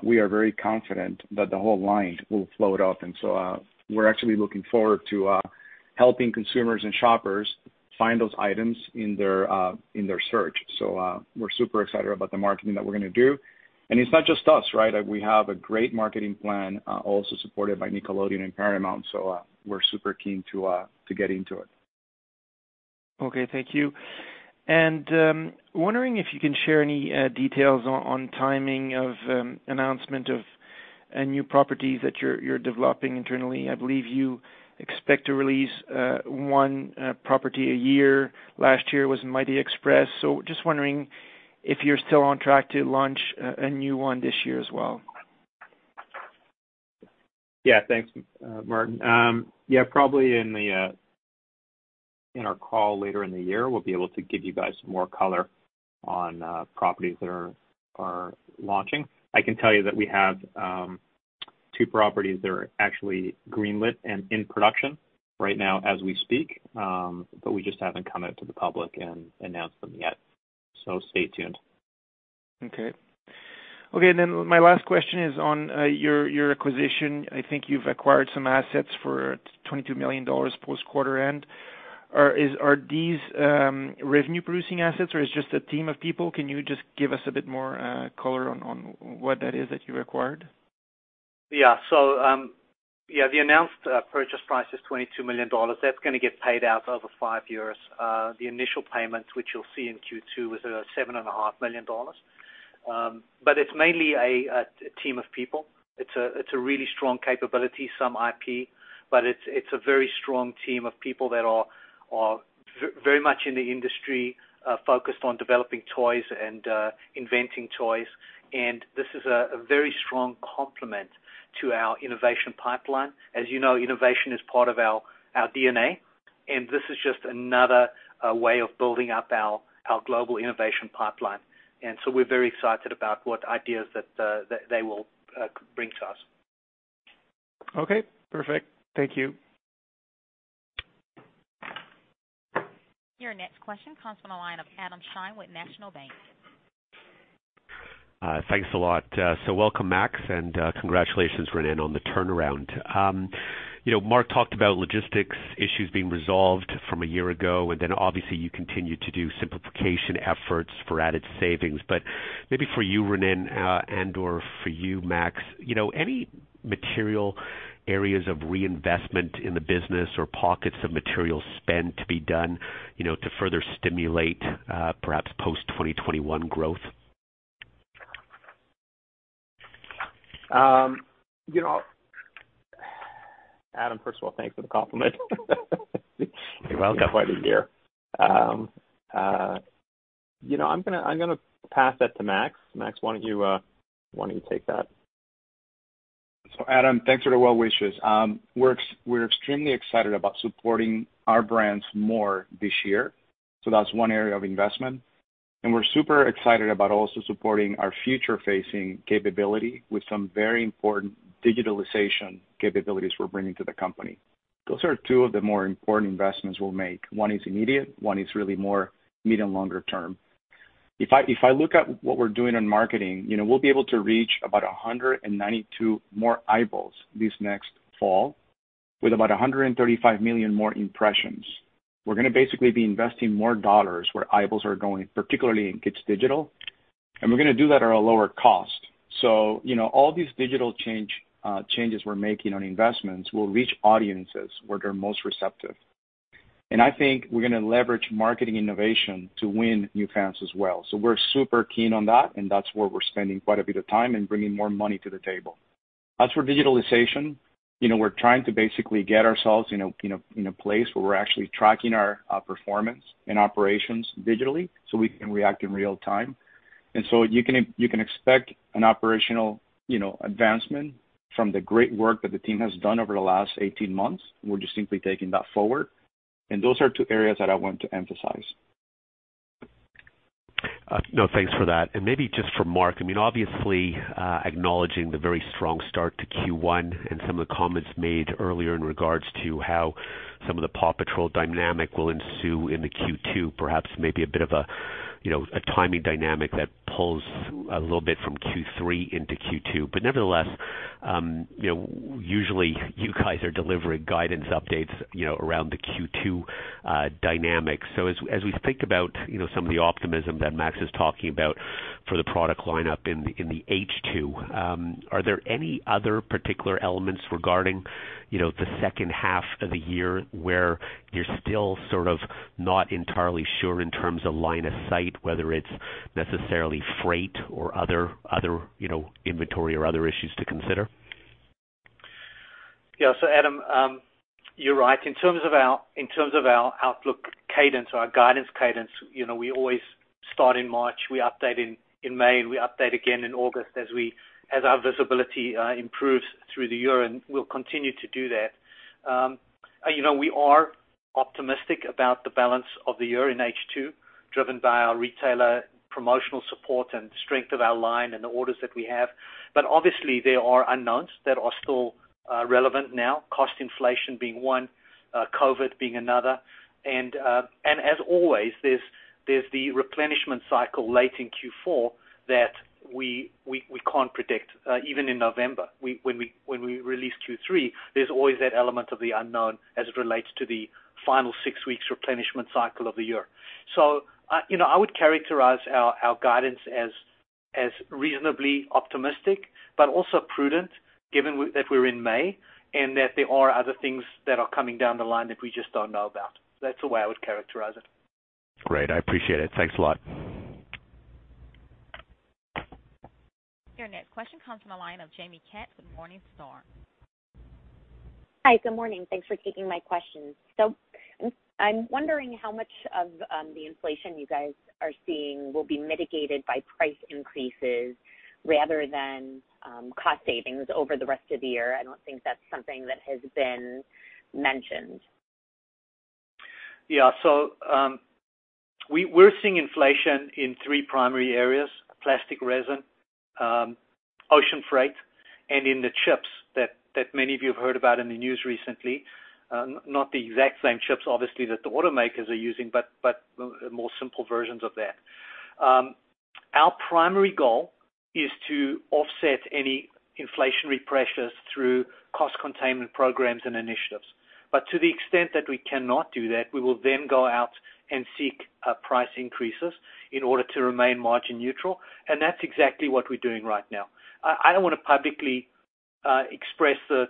we are very confident that the whole line will float up. We're actually looking forward to helping consumers and shoppers find those items in their search. We're super excited about the marketing that we're going to do. It's not just us, right? We have a great marketing plan also supported by Nickelodeon and Paramount. We're super keen to get into it. Okay, thank you. Wondering if you can share any details on timing of announcement of a new property that you're developing internally. I believe you expect to release one property a year. Last year was Mighty Express. Just wondering if you're still on track to launch a new one this year as well. Yeah. Thanks, Martin. Yeah, probably in our call later in the year, we'll be able to give you guys more color on properties that are launching. I can tell you that we have two properties that are actually green-lit and in production right now as we speak, but we just haven't come out to the public and announced them yet, so stay tuned. Okay. My last question is on your acquisition. I think you've acquired some assets for $22 million post quarter end. Are these revenue-producing assets, or it's just a team of people? Can you just give us a bit more color on what that is that you acquired? Yeah. The announced purchase price is $22 million. That's going to get paid out over five years. The initial payment, which you'll see in Q2, was at $7.5 million. It's mainly a team of people. It's a really strong capability, some IP, but it's a very strong team of people that are very much in the industry, focused on developing toys and inventing toys. This is a very strong complement to our innovation pipeline. As you know, innovation is part of our DNA, and this is just another way of building up our global innovation pipeline. We're very excited about what ideas that they will bring to us. Okay, perfect. Thank you. Your next question comes from the line of Adam Shine with National Bank. Thanks a lot. Welcome, Max, and congratulations, Ronan, on the turnaround. Mark talked about logistics issues being resolved from a year ago, and then obviously you continued to do simplification efforts for added savings. Maybe for you, Ronan, and/or for you, Max, any material areas of reinvestment in the business or pockets of material spend to be done to further stimulate perhaps post-2021 growth? Adam, first of all, thanks for the compliment. We've had quite a year. I'm gonna pass that to Max. Max, why don't you take that? Adam, thanks for the well wishes. We're extremely excited about supporting our brands more this year. That's one area of investment, and we're super excited about also supporting our future-facing capability with some very important digitalization capabilities we're bringing to the company. Those are two of the more important investments we'll make. One is immediate, one is really more medium longer term. If I look at what we're doing in marketing, we'll be able to reach about 192 more eyeballs this next fall with about 135 million more impressions. We're going to basically be investing more dollars where eyeballs are going, particularly in kids digital, and we're going to do that at a lower cost. All these digital changes we're making on investments will reach audiences where they're most receptive. I think we're going to leverage marketing innovation to win new fans as well. We're super keen on that, and that's where we're spending quite a bit of time and bringing more money to the table. As for digitalization, we're trying to basically get ourselves in a place where we're actually tracking our performance and operations digitally so we can react in real time. You can expect an operational advancement from the great work that the team has done over the last 18 months. We're just simply taking that forward, and those are two areas that I want to emphasize. No, thanks for that. Maybe just for Mark, obviously, acknowledging the very strong start to Q1 and some of the comments made earlier in regards to how some of the PAW Patrol dynamic will ensue into Q2, perhaps maybe a bit of a timing dynamic that pulls a little bit from Q3 into Q2. Nevertheless, usually you guys are delivering guidance updates around the Q2 dynamics. As we think about some of the optimism that Max is talking about for the product lineup in the H2, are there any other particular elements regarding the second half of the year where you're still sort of not entirely sure in terms of line of sight, whether it's necessarily freight or other inventory or other issues to consider? Yeah. Adam, you're right. In terms of our outlook cadence, our guidance cadence, we always start in March, we update in May, we update again in August as our visibility improves through the year, and we'll continue to do that. We are optimistic about the balance of the year in H2, driven by our retailer promotional support and strength of our line and the orders that we have. Obviously there are unknowns that are still relevant now, cost inflation being one, COVID being another. As always, there's the replenishment cycle late in Q4 that we can't predict, even in November. When we release Q3, there's always that element of the unknown as it relates to the final six weeks replenishment cycle of the year. I would characterize our guidance as reasonably optimistic, but also prudent given that we're in May and that there are other things that are coming down the line that we just don't know about. That's the way I would characterize it. Great. I appreciate it. Thanks a lot. Your next question comes from the line of Jaime Katz with Morningstar. Hi. Good morning. Thanks for taking my questions. I'm wondering how much of the inflation you guys are seeing will be mitigated by price increases rather than cost savings over the rest of the year. I don't think that's something that has been mentioned. Yeah. We're seeing inflation in three primary areas, plastic resin, ocean freight, and in the chips that many of you have heard about in the news recently. Not the exact same chips, obviously, that the automakers are using, but more simple versions of that. Our primary goal is to offset any inflationary pressures through cost containment programs and initiatives. To the extent that we cannot do that, we will then go out and seek price increases in order to remain margin neutral, and that's exactly what we're doing right now. I don't want to publicly express the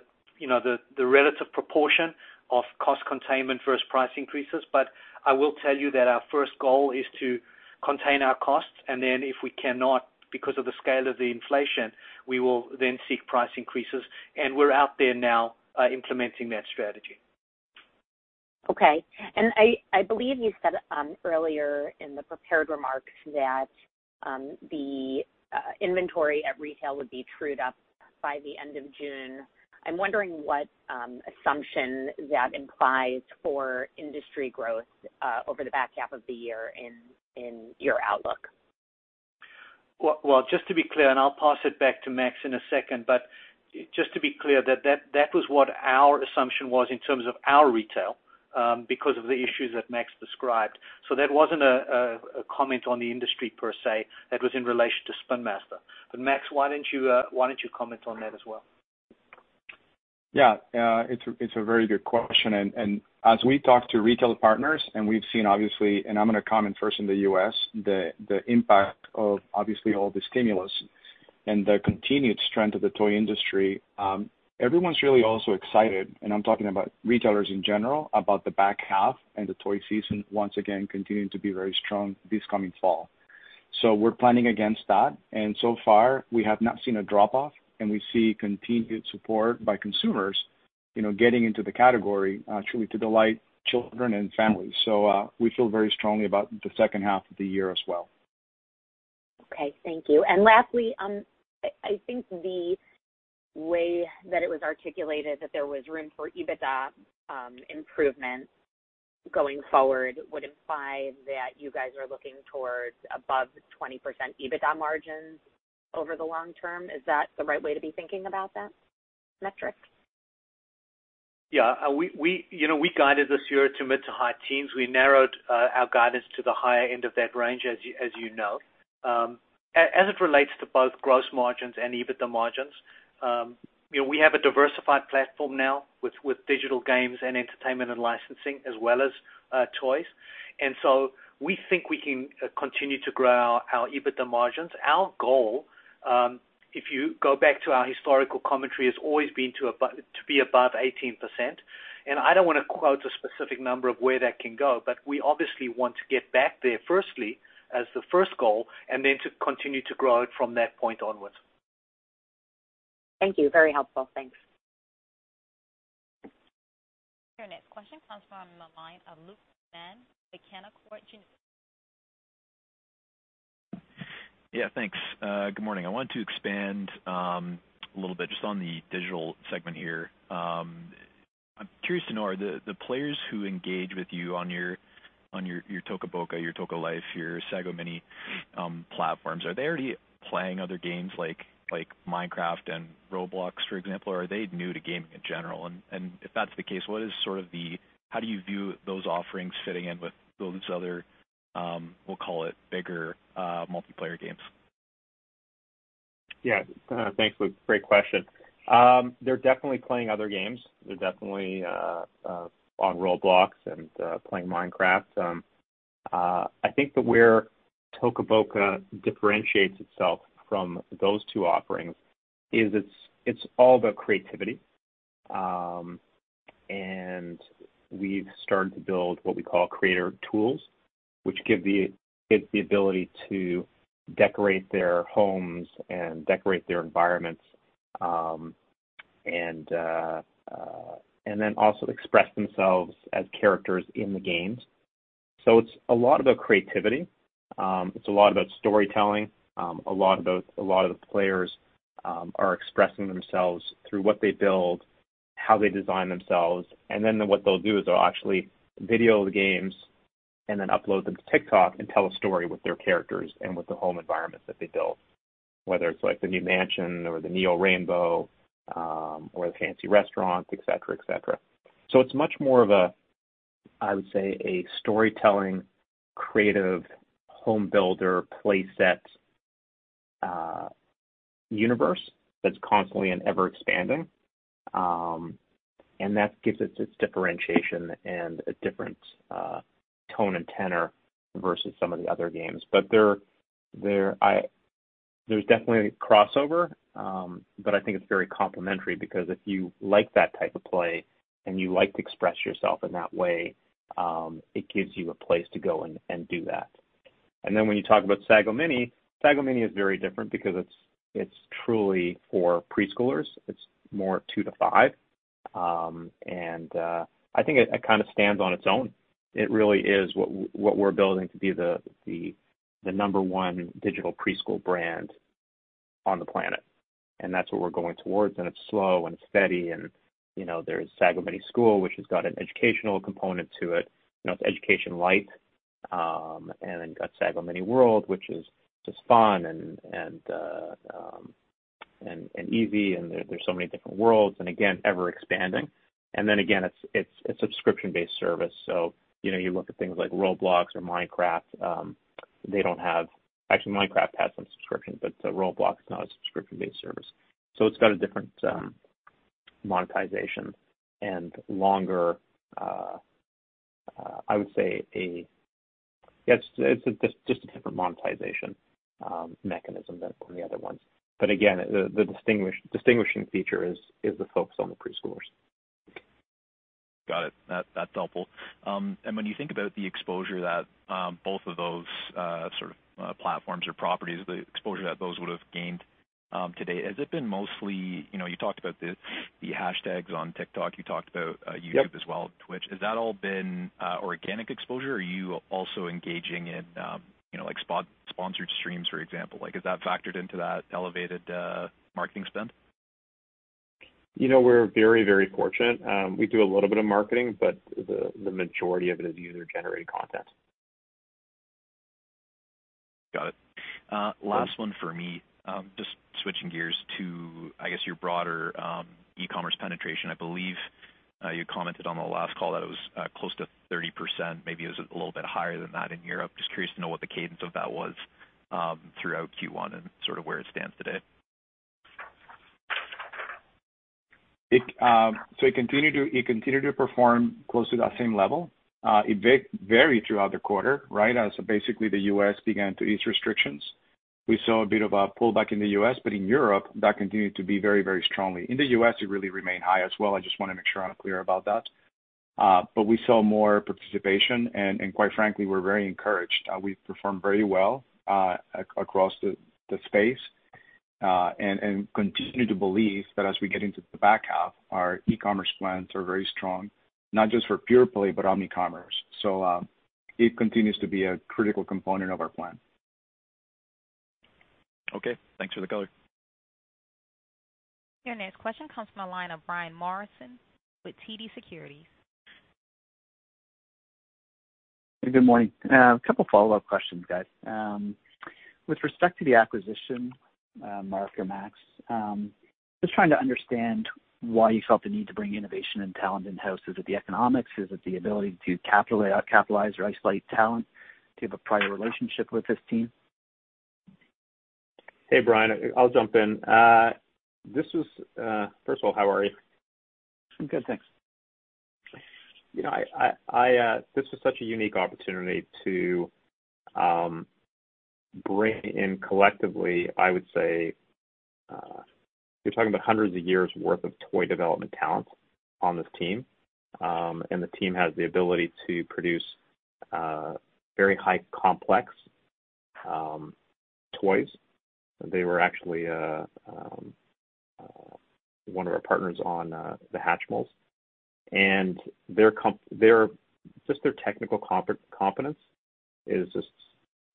relative proportion of cost containment versus price increases, but I will tell you that our first goal is to contain our costs, and then if we cannot, because of the scale of the inflation, we will then seek price increases, and we're out there now implementing that strategy. Okay. I believe you said earlier in the prepared remarks that the inventory at retail would be trued up by the end of June. I'm wondering what assumption that implies for industry growth over the back half of the year in your outlook. Just to be clear, and I'll pass it back to Max in a second, just to be clear, that was what our assumption was in terms of our retail, because of the issues that Max described. That wasn't a comment on the industry per se. That was in relation to Spin Master. Max, why don't you comment on that as well? Yeah. It's a very good question. As we talk to retail partners and we've seen, obviously, and I'm going to comment first in the U.S., the impact of obviously all the stimulus and the continued strength of the toy industry. Everyone's really also excited, and I'm talking about retailers in general, about the back half and the toy season once again continuing to be very strong this coming fall. We're planning against that. So far, we have not seen a drop off, and we see continued support by consumers getting into the category, truly to delight children and families. We feel very strongly about the second half of the year as well. Okay. Thank you. Lastly, I think the way that it was articulated that there was room for EBITDA improvement going forward would imply that you guys are looking towards above 20% EBITDA margins over the long term. Is that the right way to be thinking about that metric? We guided this year to mid to high teens. We narrowed our guidance to the higher end of that range, as you know. As it relates to both gross margins and EBITDA margins, we have a diversified platform now with digital games and entertainment and licensing, as well as toys. We think we can continue to grow our EBITDA margins. Our goal, if you go back to our historical commentary, has always been to be above 18%. I don't want to quote a specific number of where that can go, but we obviously want to get back there firstly, as the first goal, and then to continue to grow it from that point onwards. Thank you. Very helpful. Thanks. Your next question comes from the line of Luke Hannan, Canaccord Genuity. Yeah, thanks. Good morning. I wanted to expand a little bit just on the digital segment here. I'm curious to know, are the players who engage with you on your Toca Boca, your Toca Life, your Sago Mini platforms, are they already playing other games like Minecraft and Roblox, for example? Are they new to gaming in general? If that's the case, how do you view those offerings fitting in with those other, we'll call it bigger multiplayer games? Yeah. Thanks, Luke. Great question. They're definitely playing other games. They're definitely on Roblox and playing Minecraft. I think that where Toca Boca differentiates itself from those two offerings is it's all about creativity. We've started to build what we call creator tools, which give the ability to decorate their homes and decorate their environments, and then also express themselves as characters in the games. It's a lot about creativity. It's a lot about storytelling. A lot of the players are expressing themselves through what they build, how they design themselves, and then what they'll do is they'll actually video the games and then upload them to TikTok and tell a story with their characters and with the home environment that they built, whether it's the new mansion or the Neon Rainbow or the fancy restaurant, et cetera. It's much more of a, I would say, a storytelling, creative home builder playset universe that's constantly and ever-expanding. That gives it its differentiation and a different tone and tenor versus some of the other games. There's definitely a crossover, but I think it's very complimentary because if you like that type of play and you like to express yourself in that way, it gives you a place to go and do that. When you talk about Sago Mini, Sago Mini is very different because it's truly for preschoolers. It's more two to five. I think it kind of stands on its own. It really is what we're building to be the number one digital preschool brand on the planet, and that's what we're going towards, and it's slow and it's steady, and there's Sago Mini School, which has got an educational component to it. It's education-lite. You've got Sago Mini World, which is just fun and easy, and there's so many different worlds, and again, ever-expanding. Again, it's a subscription-based service, so you look at things like Roblox or Minecraft. Actually, Minecraft has some subscriptions, but Roblox is not a subscription-based service. It's got a different monetization and longer, I would say, just a different monetization mechanism than the other ones. Again, the distinguishing feature is the focus on the preschoolers. Got it. That's helpful. When you think about the exposure that both of those sort of platforms or properties, the exposure that those would have gained today, has it been mostly, you talked about the hashtags on TikTok, you talked about YouTube as well. Yep Twitch. Has that all been organic exposure, or are you also engaging in sponsored streams, for example? Is that factored into that elevated marketing spend? We're very fortunate. We do a little bit of marketing, but the majority of it is user-generated content. Got it. Last one for me. Switching gears to, I guess, your broader e-commerce penetration. I believe you commented on the last call that it was close to 30%, maybe it was a little bit higher than that in Europe. Curious to know what the cadence of that was throughout Q1 and sort of where it stands today. It continued to perform close to that same level. It varied throughout the quarter, right? As basically the U.S. began to ease restrictions, we saw a bit of a pullback in the U.S., but in Europe, that continued to be very strongly. In the U.S., it really remained high as well. I just want to make sure I'm clear about that. We saw more participation, and quite frankly, we're very encouraged. We've performed very well across the space. Continue to believe that as we get into the back half, our e-commerce plans are very strong, not just for pure play, but omnicommerce. It continues to be a critical component of our plan. Okay, thanks for the color. Your next question comes from the line of Brian Morrison with TD Securities. Good morning. A couple follow-up questions, guys. With respect to the acquisition, Mark or Max, just trying to understand why you felt the need to bring innovation and talent in-house. Is it the economics? Is it the ability to capitalize or isolate talent? Do you have a prior relationship with this team? Hey, Brian. I'll jump in. First of all, how are you? I'm good, thanks. This was such a unique opportunity to bring in collectively, I would say, you're talking about hundreds of years' worth of toy development talent on this team. The team has the ability to produce very high complex toys. They were actually one of our partners on the Hatchimals. Just their technical competence is just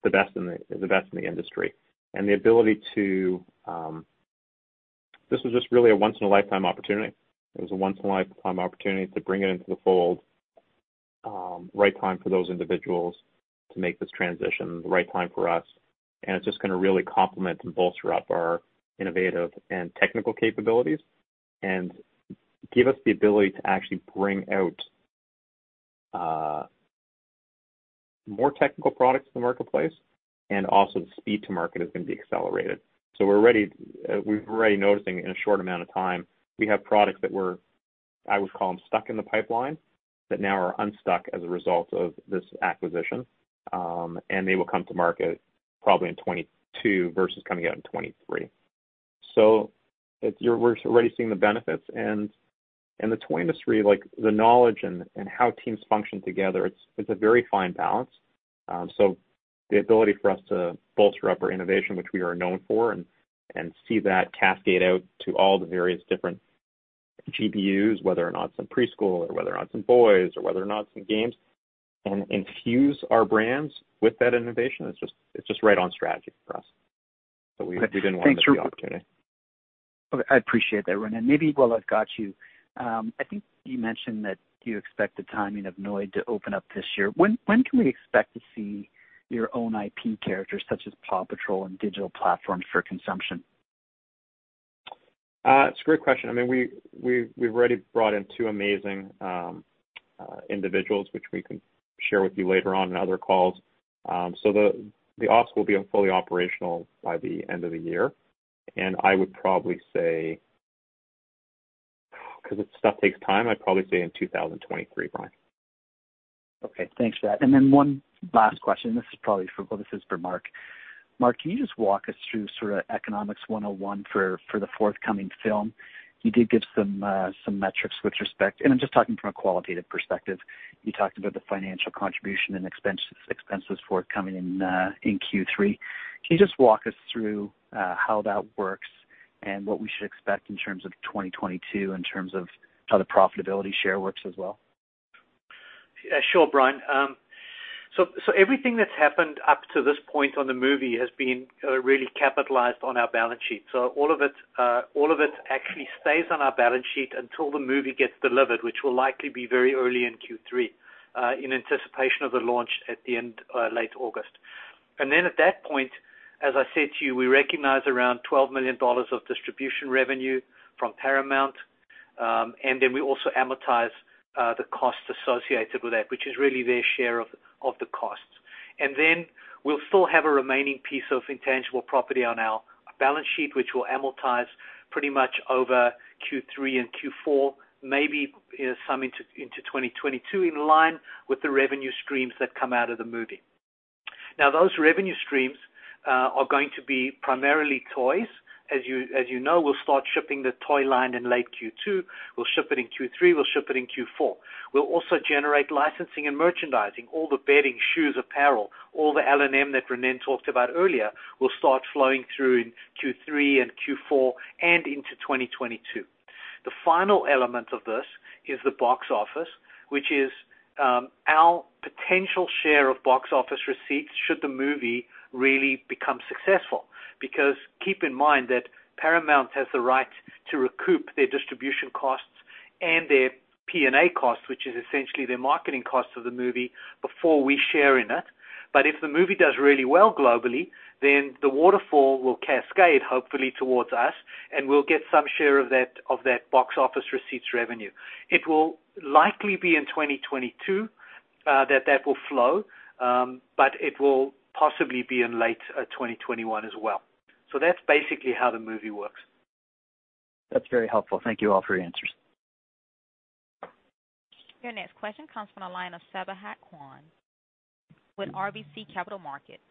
the best in the industry. This was just really a once in a lifetime opportunity. It was a once in a lifetime opportunity to bring it into the fold. Right time for those individuals to make this transition, the right time for us, and it's just going to really complement and bolster up our innovative and technical capabilities and give us the ability to actually bring out more technical products to the marketplace and also the speed to market is going to be accelerated. We're already noticing in a short amount of time, we have products that were, I would call them, stuck in the pipeline that now are unstuck as a result of this acquisition. They will come to market probably in 2022 versus coming out in 2023. We're already seeing the benefits. In the toy industry, the knowledge and how teams function together, it's a very fine balance. The ability for us to bolster up our innovation, which we are known for, and see that cascade out to all the various different GPUs, whether or not it's in preschool or whether or not it's in boys or whether or not it's in games, and infuse our brands with that innovation, it's just right on strategy for us. We didn't want to miss the opportunity. Okay. I appreciate that, Ronnen. Maybe while I've got you, I think you mentioned that you expect the timing of Nørdlight to open up this year. When can we expect to see your own IP characters such as PAW Patrol on digital platforms for consumption? It's a great question. We've already brought in two amazing individuals, which we can share with you later on in other calls. The ops will be fully operational by the end of the year, and I would probably say, because this stuff takes time, I'd probably say in 2023, Brian. Okay, thanks for that. Then one last question. This is for Mark. Mark, can you just walk us through sort of economics 101 for the forthcoming film? You did give some metrics with respect, and I'm just talking from a qualitative perspective. You talked about the financial contribution and expenses for it coming in in Q3. Can you just walk us through how that works and what we should expect in terms of 2022 in terms of how the profitability share works as well? Sure, Brian. Everything that's happened up to this point on the movie has been really capitalized on our balance sheet. All of it actually stays on our balance sheet until the movie gets delivered, which will likely be very early in Q3, in anticipation of the launch at the end, late August. At that point, as I said to you, we recognize $12 million of distribution revenue from Paramount, and then we also amortize the costs associated with that, which is really their share of the costs. We'll still have a remaining piece of intangible property on our balance sheet, which we'll amortize pretty much over Q3 and Q4, maybe some into 2022, in line with the revenue streams that come out of the movie. Those revenue streams are going to be primarily toys. As you know, we'll start shipping the toy line in late Q2. We'll ship it in Q3. We'll ship it in Q4. We'll also generate licensing and merchandising, all the bedding, shoes, apparel, all the LNM that Ronan talked about earlier will start flowing through in Q3 and Q4 and into 2022. The final element of this is the box office, which is our potential share of box office receipts should the movie really become successful. Keep in mind that Paramount has the right to recoup their distribution costs and their P&A costs, which is essentially their marketing costs of the movie before we share in it. If the movie does really well globally, then the waterfall will cascade, hopefully towards us, and we'll get some share of that box office receipts revenue. It will likely be in 2022 that that will flow, but it will possibly be in late 2021 as well. That's basically how the movie works. That's very helpful. Thank you all for your answers. Your next question comes from the line of Sabahat Khan with RBC Capital Markets.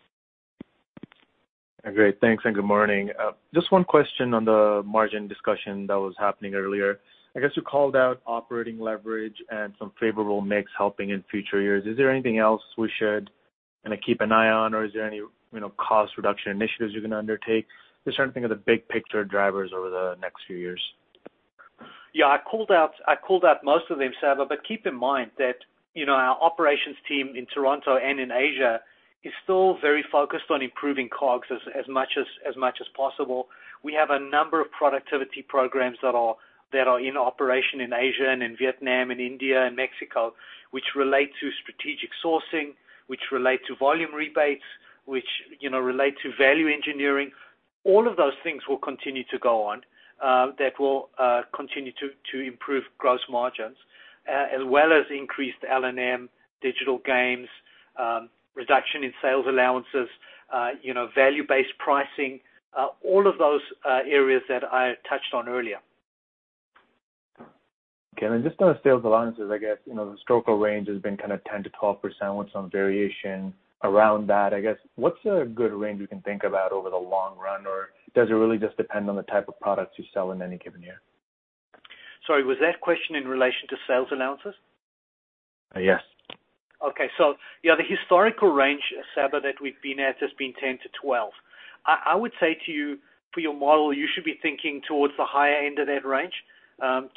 Great. Thanks, and good morning. Just one question on the margin discussion that was happening earlier. I guess you called out operating leverage and some favorable mix helping in future years. Is there anything else we should keep an eye on or is there any cost reduction initiatives you're going to undertake? Just trying to think of the big picture drivers over the next few years. Yeah. I called out most of them, Saba, but keep in mind that our operations team in Toronto and in Asia is still very focused on improving COGS as much as possible. We have a number of productivity programs that are in operation in Asia and in Vietnam and India and Mexico, which relate to strategic sourcing, which relate to volume rebates, which relate to value engineering. All of those things will continue to go on, that will continue to improve gross margins, as well as increased LNM, digital games, reduction in sales allowances, value-based pricing, all of those areas that I touched on earlier. Okay. Then just on the sales allowances, I guess, the historical range has been 10%-12% with some variation around that. I guess, what's a good range we can think about over the long run? Does it really just depend on the type of products you sell in any given year? Sorry, was that question in relation to sales allowances? Yes. Okay. Yeah, the historical range, Saba, that we've been at has been 10%-12%. I would say to you, for your model, you should be thinking towards the higher end of that range, 12%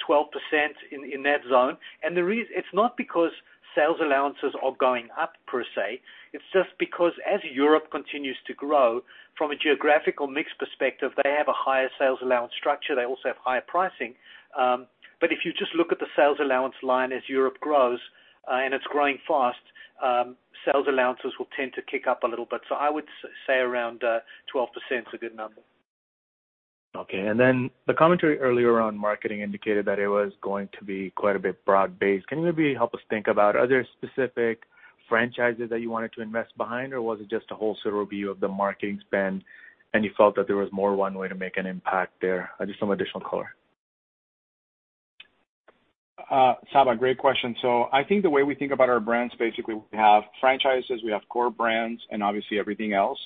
in that zone. It's not because sales allowances are going up per se, it's just because as Europe continues to grow from a geographical mix perspective, they have a higher sales allowance structure. They also have higher pricing. If you just look at the sales allowance line as Europe grows, and it's growing fast, sales allowances will tend to kick up a little bit. I would say around 12% is a good number. Okay. Then the commentary earlier on marketing indicated that it was going to be quite a bit broad-based. Can you maybe help us think about other specific franchises that you wanted to invest behind? Or was it just a wholesale review of the marketing spend, and you felt that there was more one way to make an impact there? Just some additional color. Sabahat, great question. I think the way we think about our brands, basically, we have franchises, we have core brands, and obviously everything else.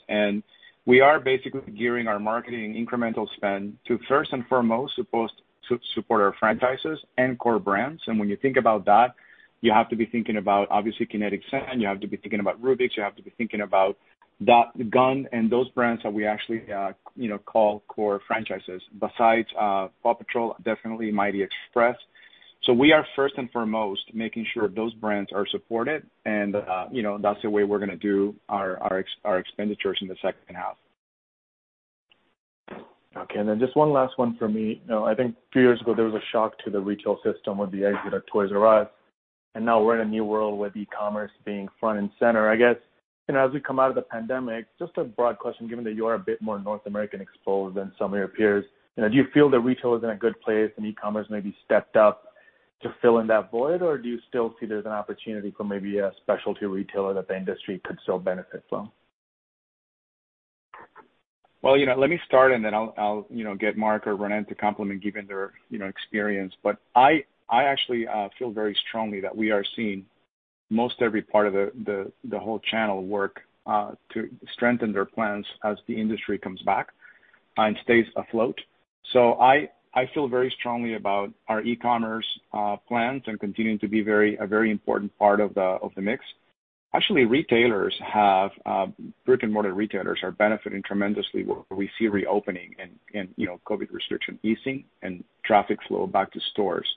We are basically gearing our marketing incremental spend to first and foremost support our franchises and core brands. When you think about that, you have to be thinking about, obviously, Kinetic Sand. You have to be thinking about Rubik's. You have to be thinking about GUND and those brands that we actually call core franchises, besides PAW Patrol, definitely Mighty Express. We are first and foremost making sure those brands are supported and that's the way we're going to do our expenditures in the second half. Okay. Just one last one for me. I think a few years ago, there was a shock to the retail system with the exit of Toys R Us, and now we're in a new world with e-commerce being front and center. I guess, as we come out of the pandemic, just a broad question, given that you are a bit more North American exposed than some of your peers, do you feel that retail is in a good place and e-commerce maybe stepped up to fill in that void? Or do you still see there's an opportunity for maybe a specialty retailer that the industry could still benefit from? Let me start, and then I'll get Mark or Ronnen to complement, given their experience. I actually feel very strongly that we are seeing most every part of the whole channel work to strengthen their plans as the industry comes back and stays afloat. I feel very strongly about our e-commerce plans and continuing to be a very important part of the mix. Actually, brick and mortar retailers are benefiting tremendously where we see reopening and COVID restriction easing and traffic flow back to stores.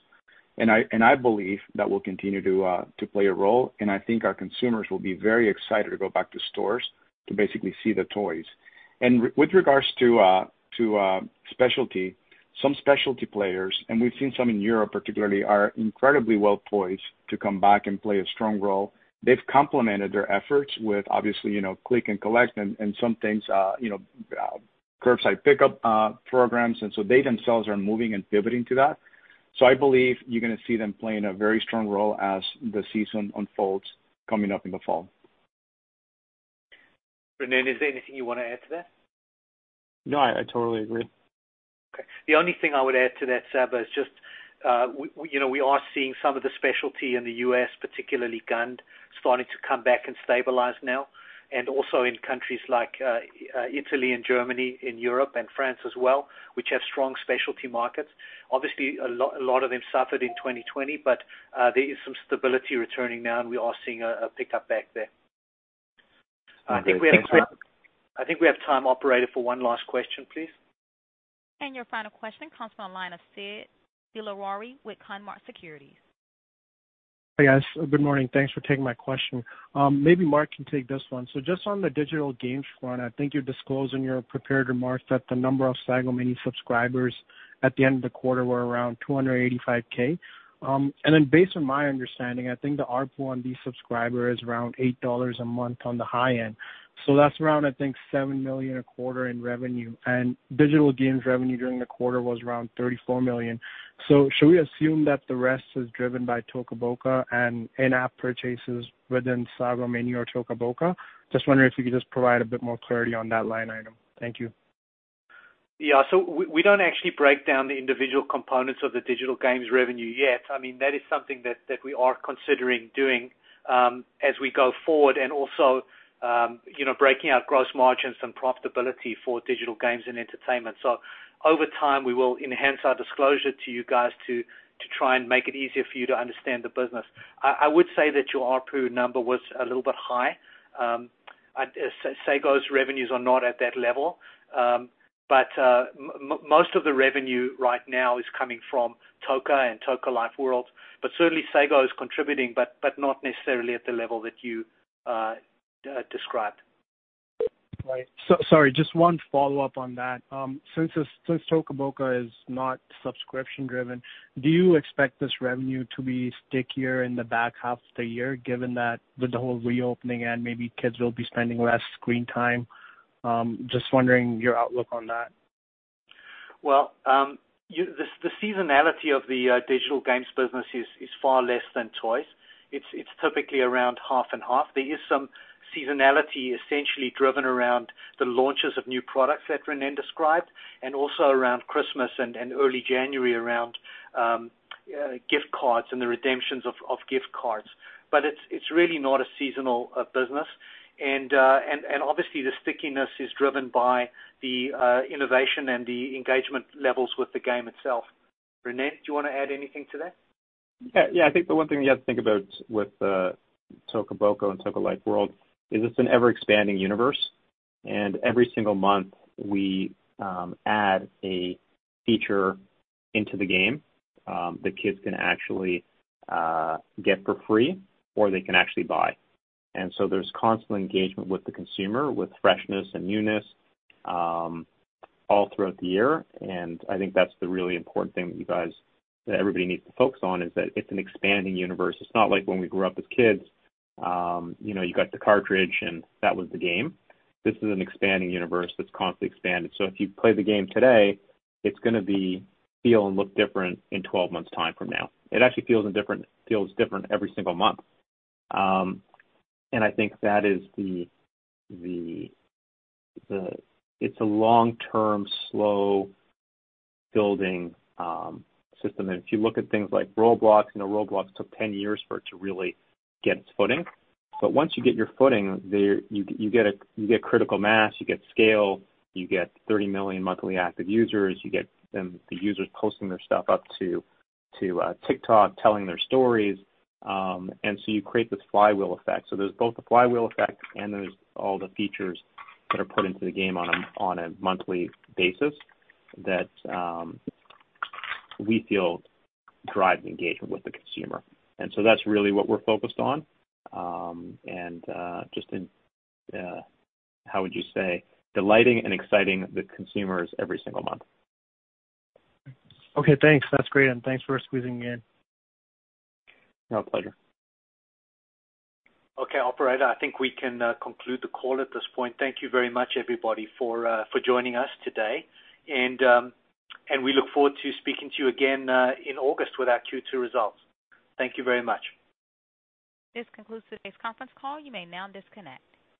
I believe that will continue to play a role, and I think our consumers will be very excited to go back to stores to basically see the toys. With regards to specialty, some specialty players, and we've seen some in Europe particularly, are incredibly well-poised to come back and play a strong role. They've complemented their efforts with obviously, click and collect and some things, curbside pickup programs. They themselves are moving and pivoting to that. I believe you're going to see them playing a very strong role as the season unfolds coming up in the fall. Ronnen, is there anything you want to add to that? No, I totally agree. Okay. The only thing I would add to that, Saba, is just we are seeing some of the specialty in the U.S., particularly GUND, starting to come back and stabilize now, and also in countries like Italy and Germany in Europe and France as well, which have strong specialty markets. Obviously, a lot of them suffered in 2020, but there is some stability returning now, and we are seeing a pickup back there. Okay. Thanks, Ronnen. I think we have time, Operator, for one last question, please. Your final question comes from the line of Sid Dilawari with Cormark Securities. Hey, guys. Good morning. Thanks for taking my question. Maybe Mark can take this one. Just on the digital games front, I think you disclosed in your prepared remarks that the number of Sago Mini subscribers at the end of the quarter were around 285K. Based on my understanding, I think the ARPU on these subscribers is around $8 a month on the high end. That's around, I think, $7 million a quarter in revenue, and digital games revenue during the quarter was around $34 million. Should we assume that the rest is driven by Toca Boca and in-app purchases within Sago Mini or Toca Boca? Just wondering if you could just provide a bit more clarity on that line item. Thank you. We don't actually break down the individual components of the digital games revenue yet. I mean, that is something that we are considering doing as we go forward and also breaking out gross margins and profitability for digital games and entertainment. Over time, we will enhance our disclosure to you guys to try and make it easier for you to understand the business. I would say that your ARPU number was a little bit high. Okay. Sago's revenues are not at that level. Most of the revenue right now is coming from Toca and Toca Life World. Certainly Sago is contributing, but not necessarily at the level that you described. Right. Sorry, just one follow-up on that. Since Toca Boca is not subscription driven, do you expect this revenue to be stickier in the back half of the year, given that with the whole reopening and maybe kids will be spending less screen time? Just wondering your outlook on that. Well, the seasonality of the digital games business is far less than toys. It's typically around half and half. There is some seasonality essentially driven around the launches of new products that Ronnen Harary described, and also around Christmas and early January around gift cards and the redemptions of gift cards. It's really not a seasonal business. Obviously the stickiness is driven by the innovation and the engagement levels with the game itself. Ronnen Harary, do you want to add anything to that? I think the one thing you have to think about with Toca Boca and Toca Life World is it's an ever-expanding universe, and every single month we add a feature into the game that kids can actually get for free or they can actually buy. There's constant engagement with the consumer, with freshness and newness all throughout the year. I think that's the really important thing that everybody needs to focus on is that it's an expanding universe. It's not like when we grew up as kids, you got the cartridge and that was the game. This is an expanding universe that's constantly expanded. If you play the game today, it's going to feel and look different in 12 months' time from now. It actually feels different every single month. I think that it's a long-term, slow building system. If you look at things like Roblox took 10 years for it to really get its footing. Once you get your footing, you get critical mass, you get scale, you get 30 million monthly active users, you get the users posting their stuff up to TikTok telling their stories, and so you create this flywheel effect. There's both the flywheel effect and there's all the features that are put into the game on a monthly basis that we feel drive engagement with the consumer. That's really what we're focused on, and just in, how would you say, delighting and exciting the consumers every single month. Okay, thanks. That's great, thanks for squeezing me in. My pleasure. Okay, Operator, I think we can conclude the call at this point. Thank you very much, everybody, for joining us today. We look forward to speaking to you again in August with our Q2 results. Thank you very much. This concludes today's conference call. You may now disconnect.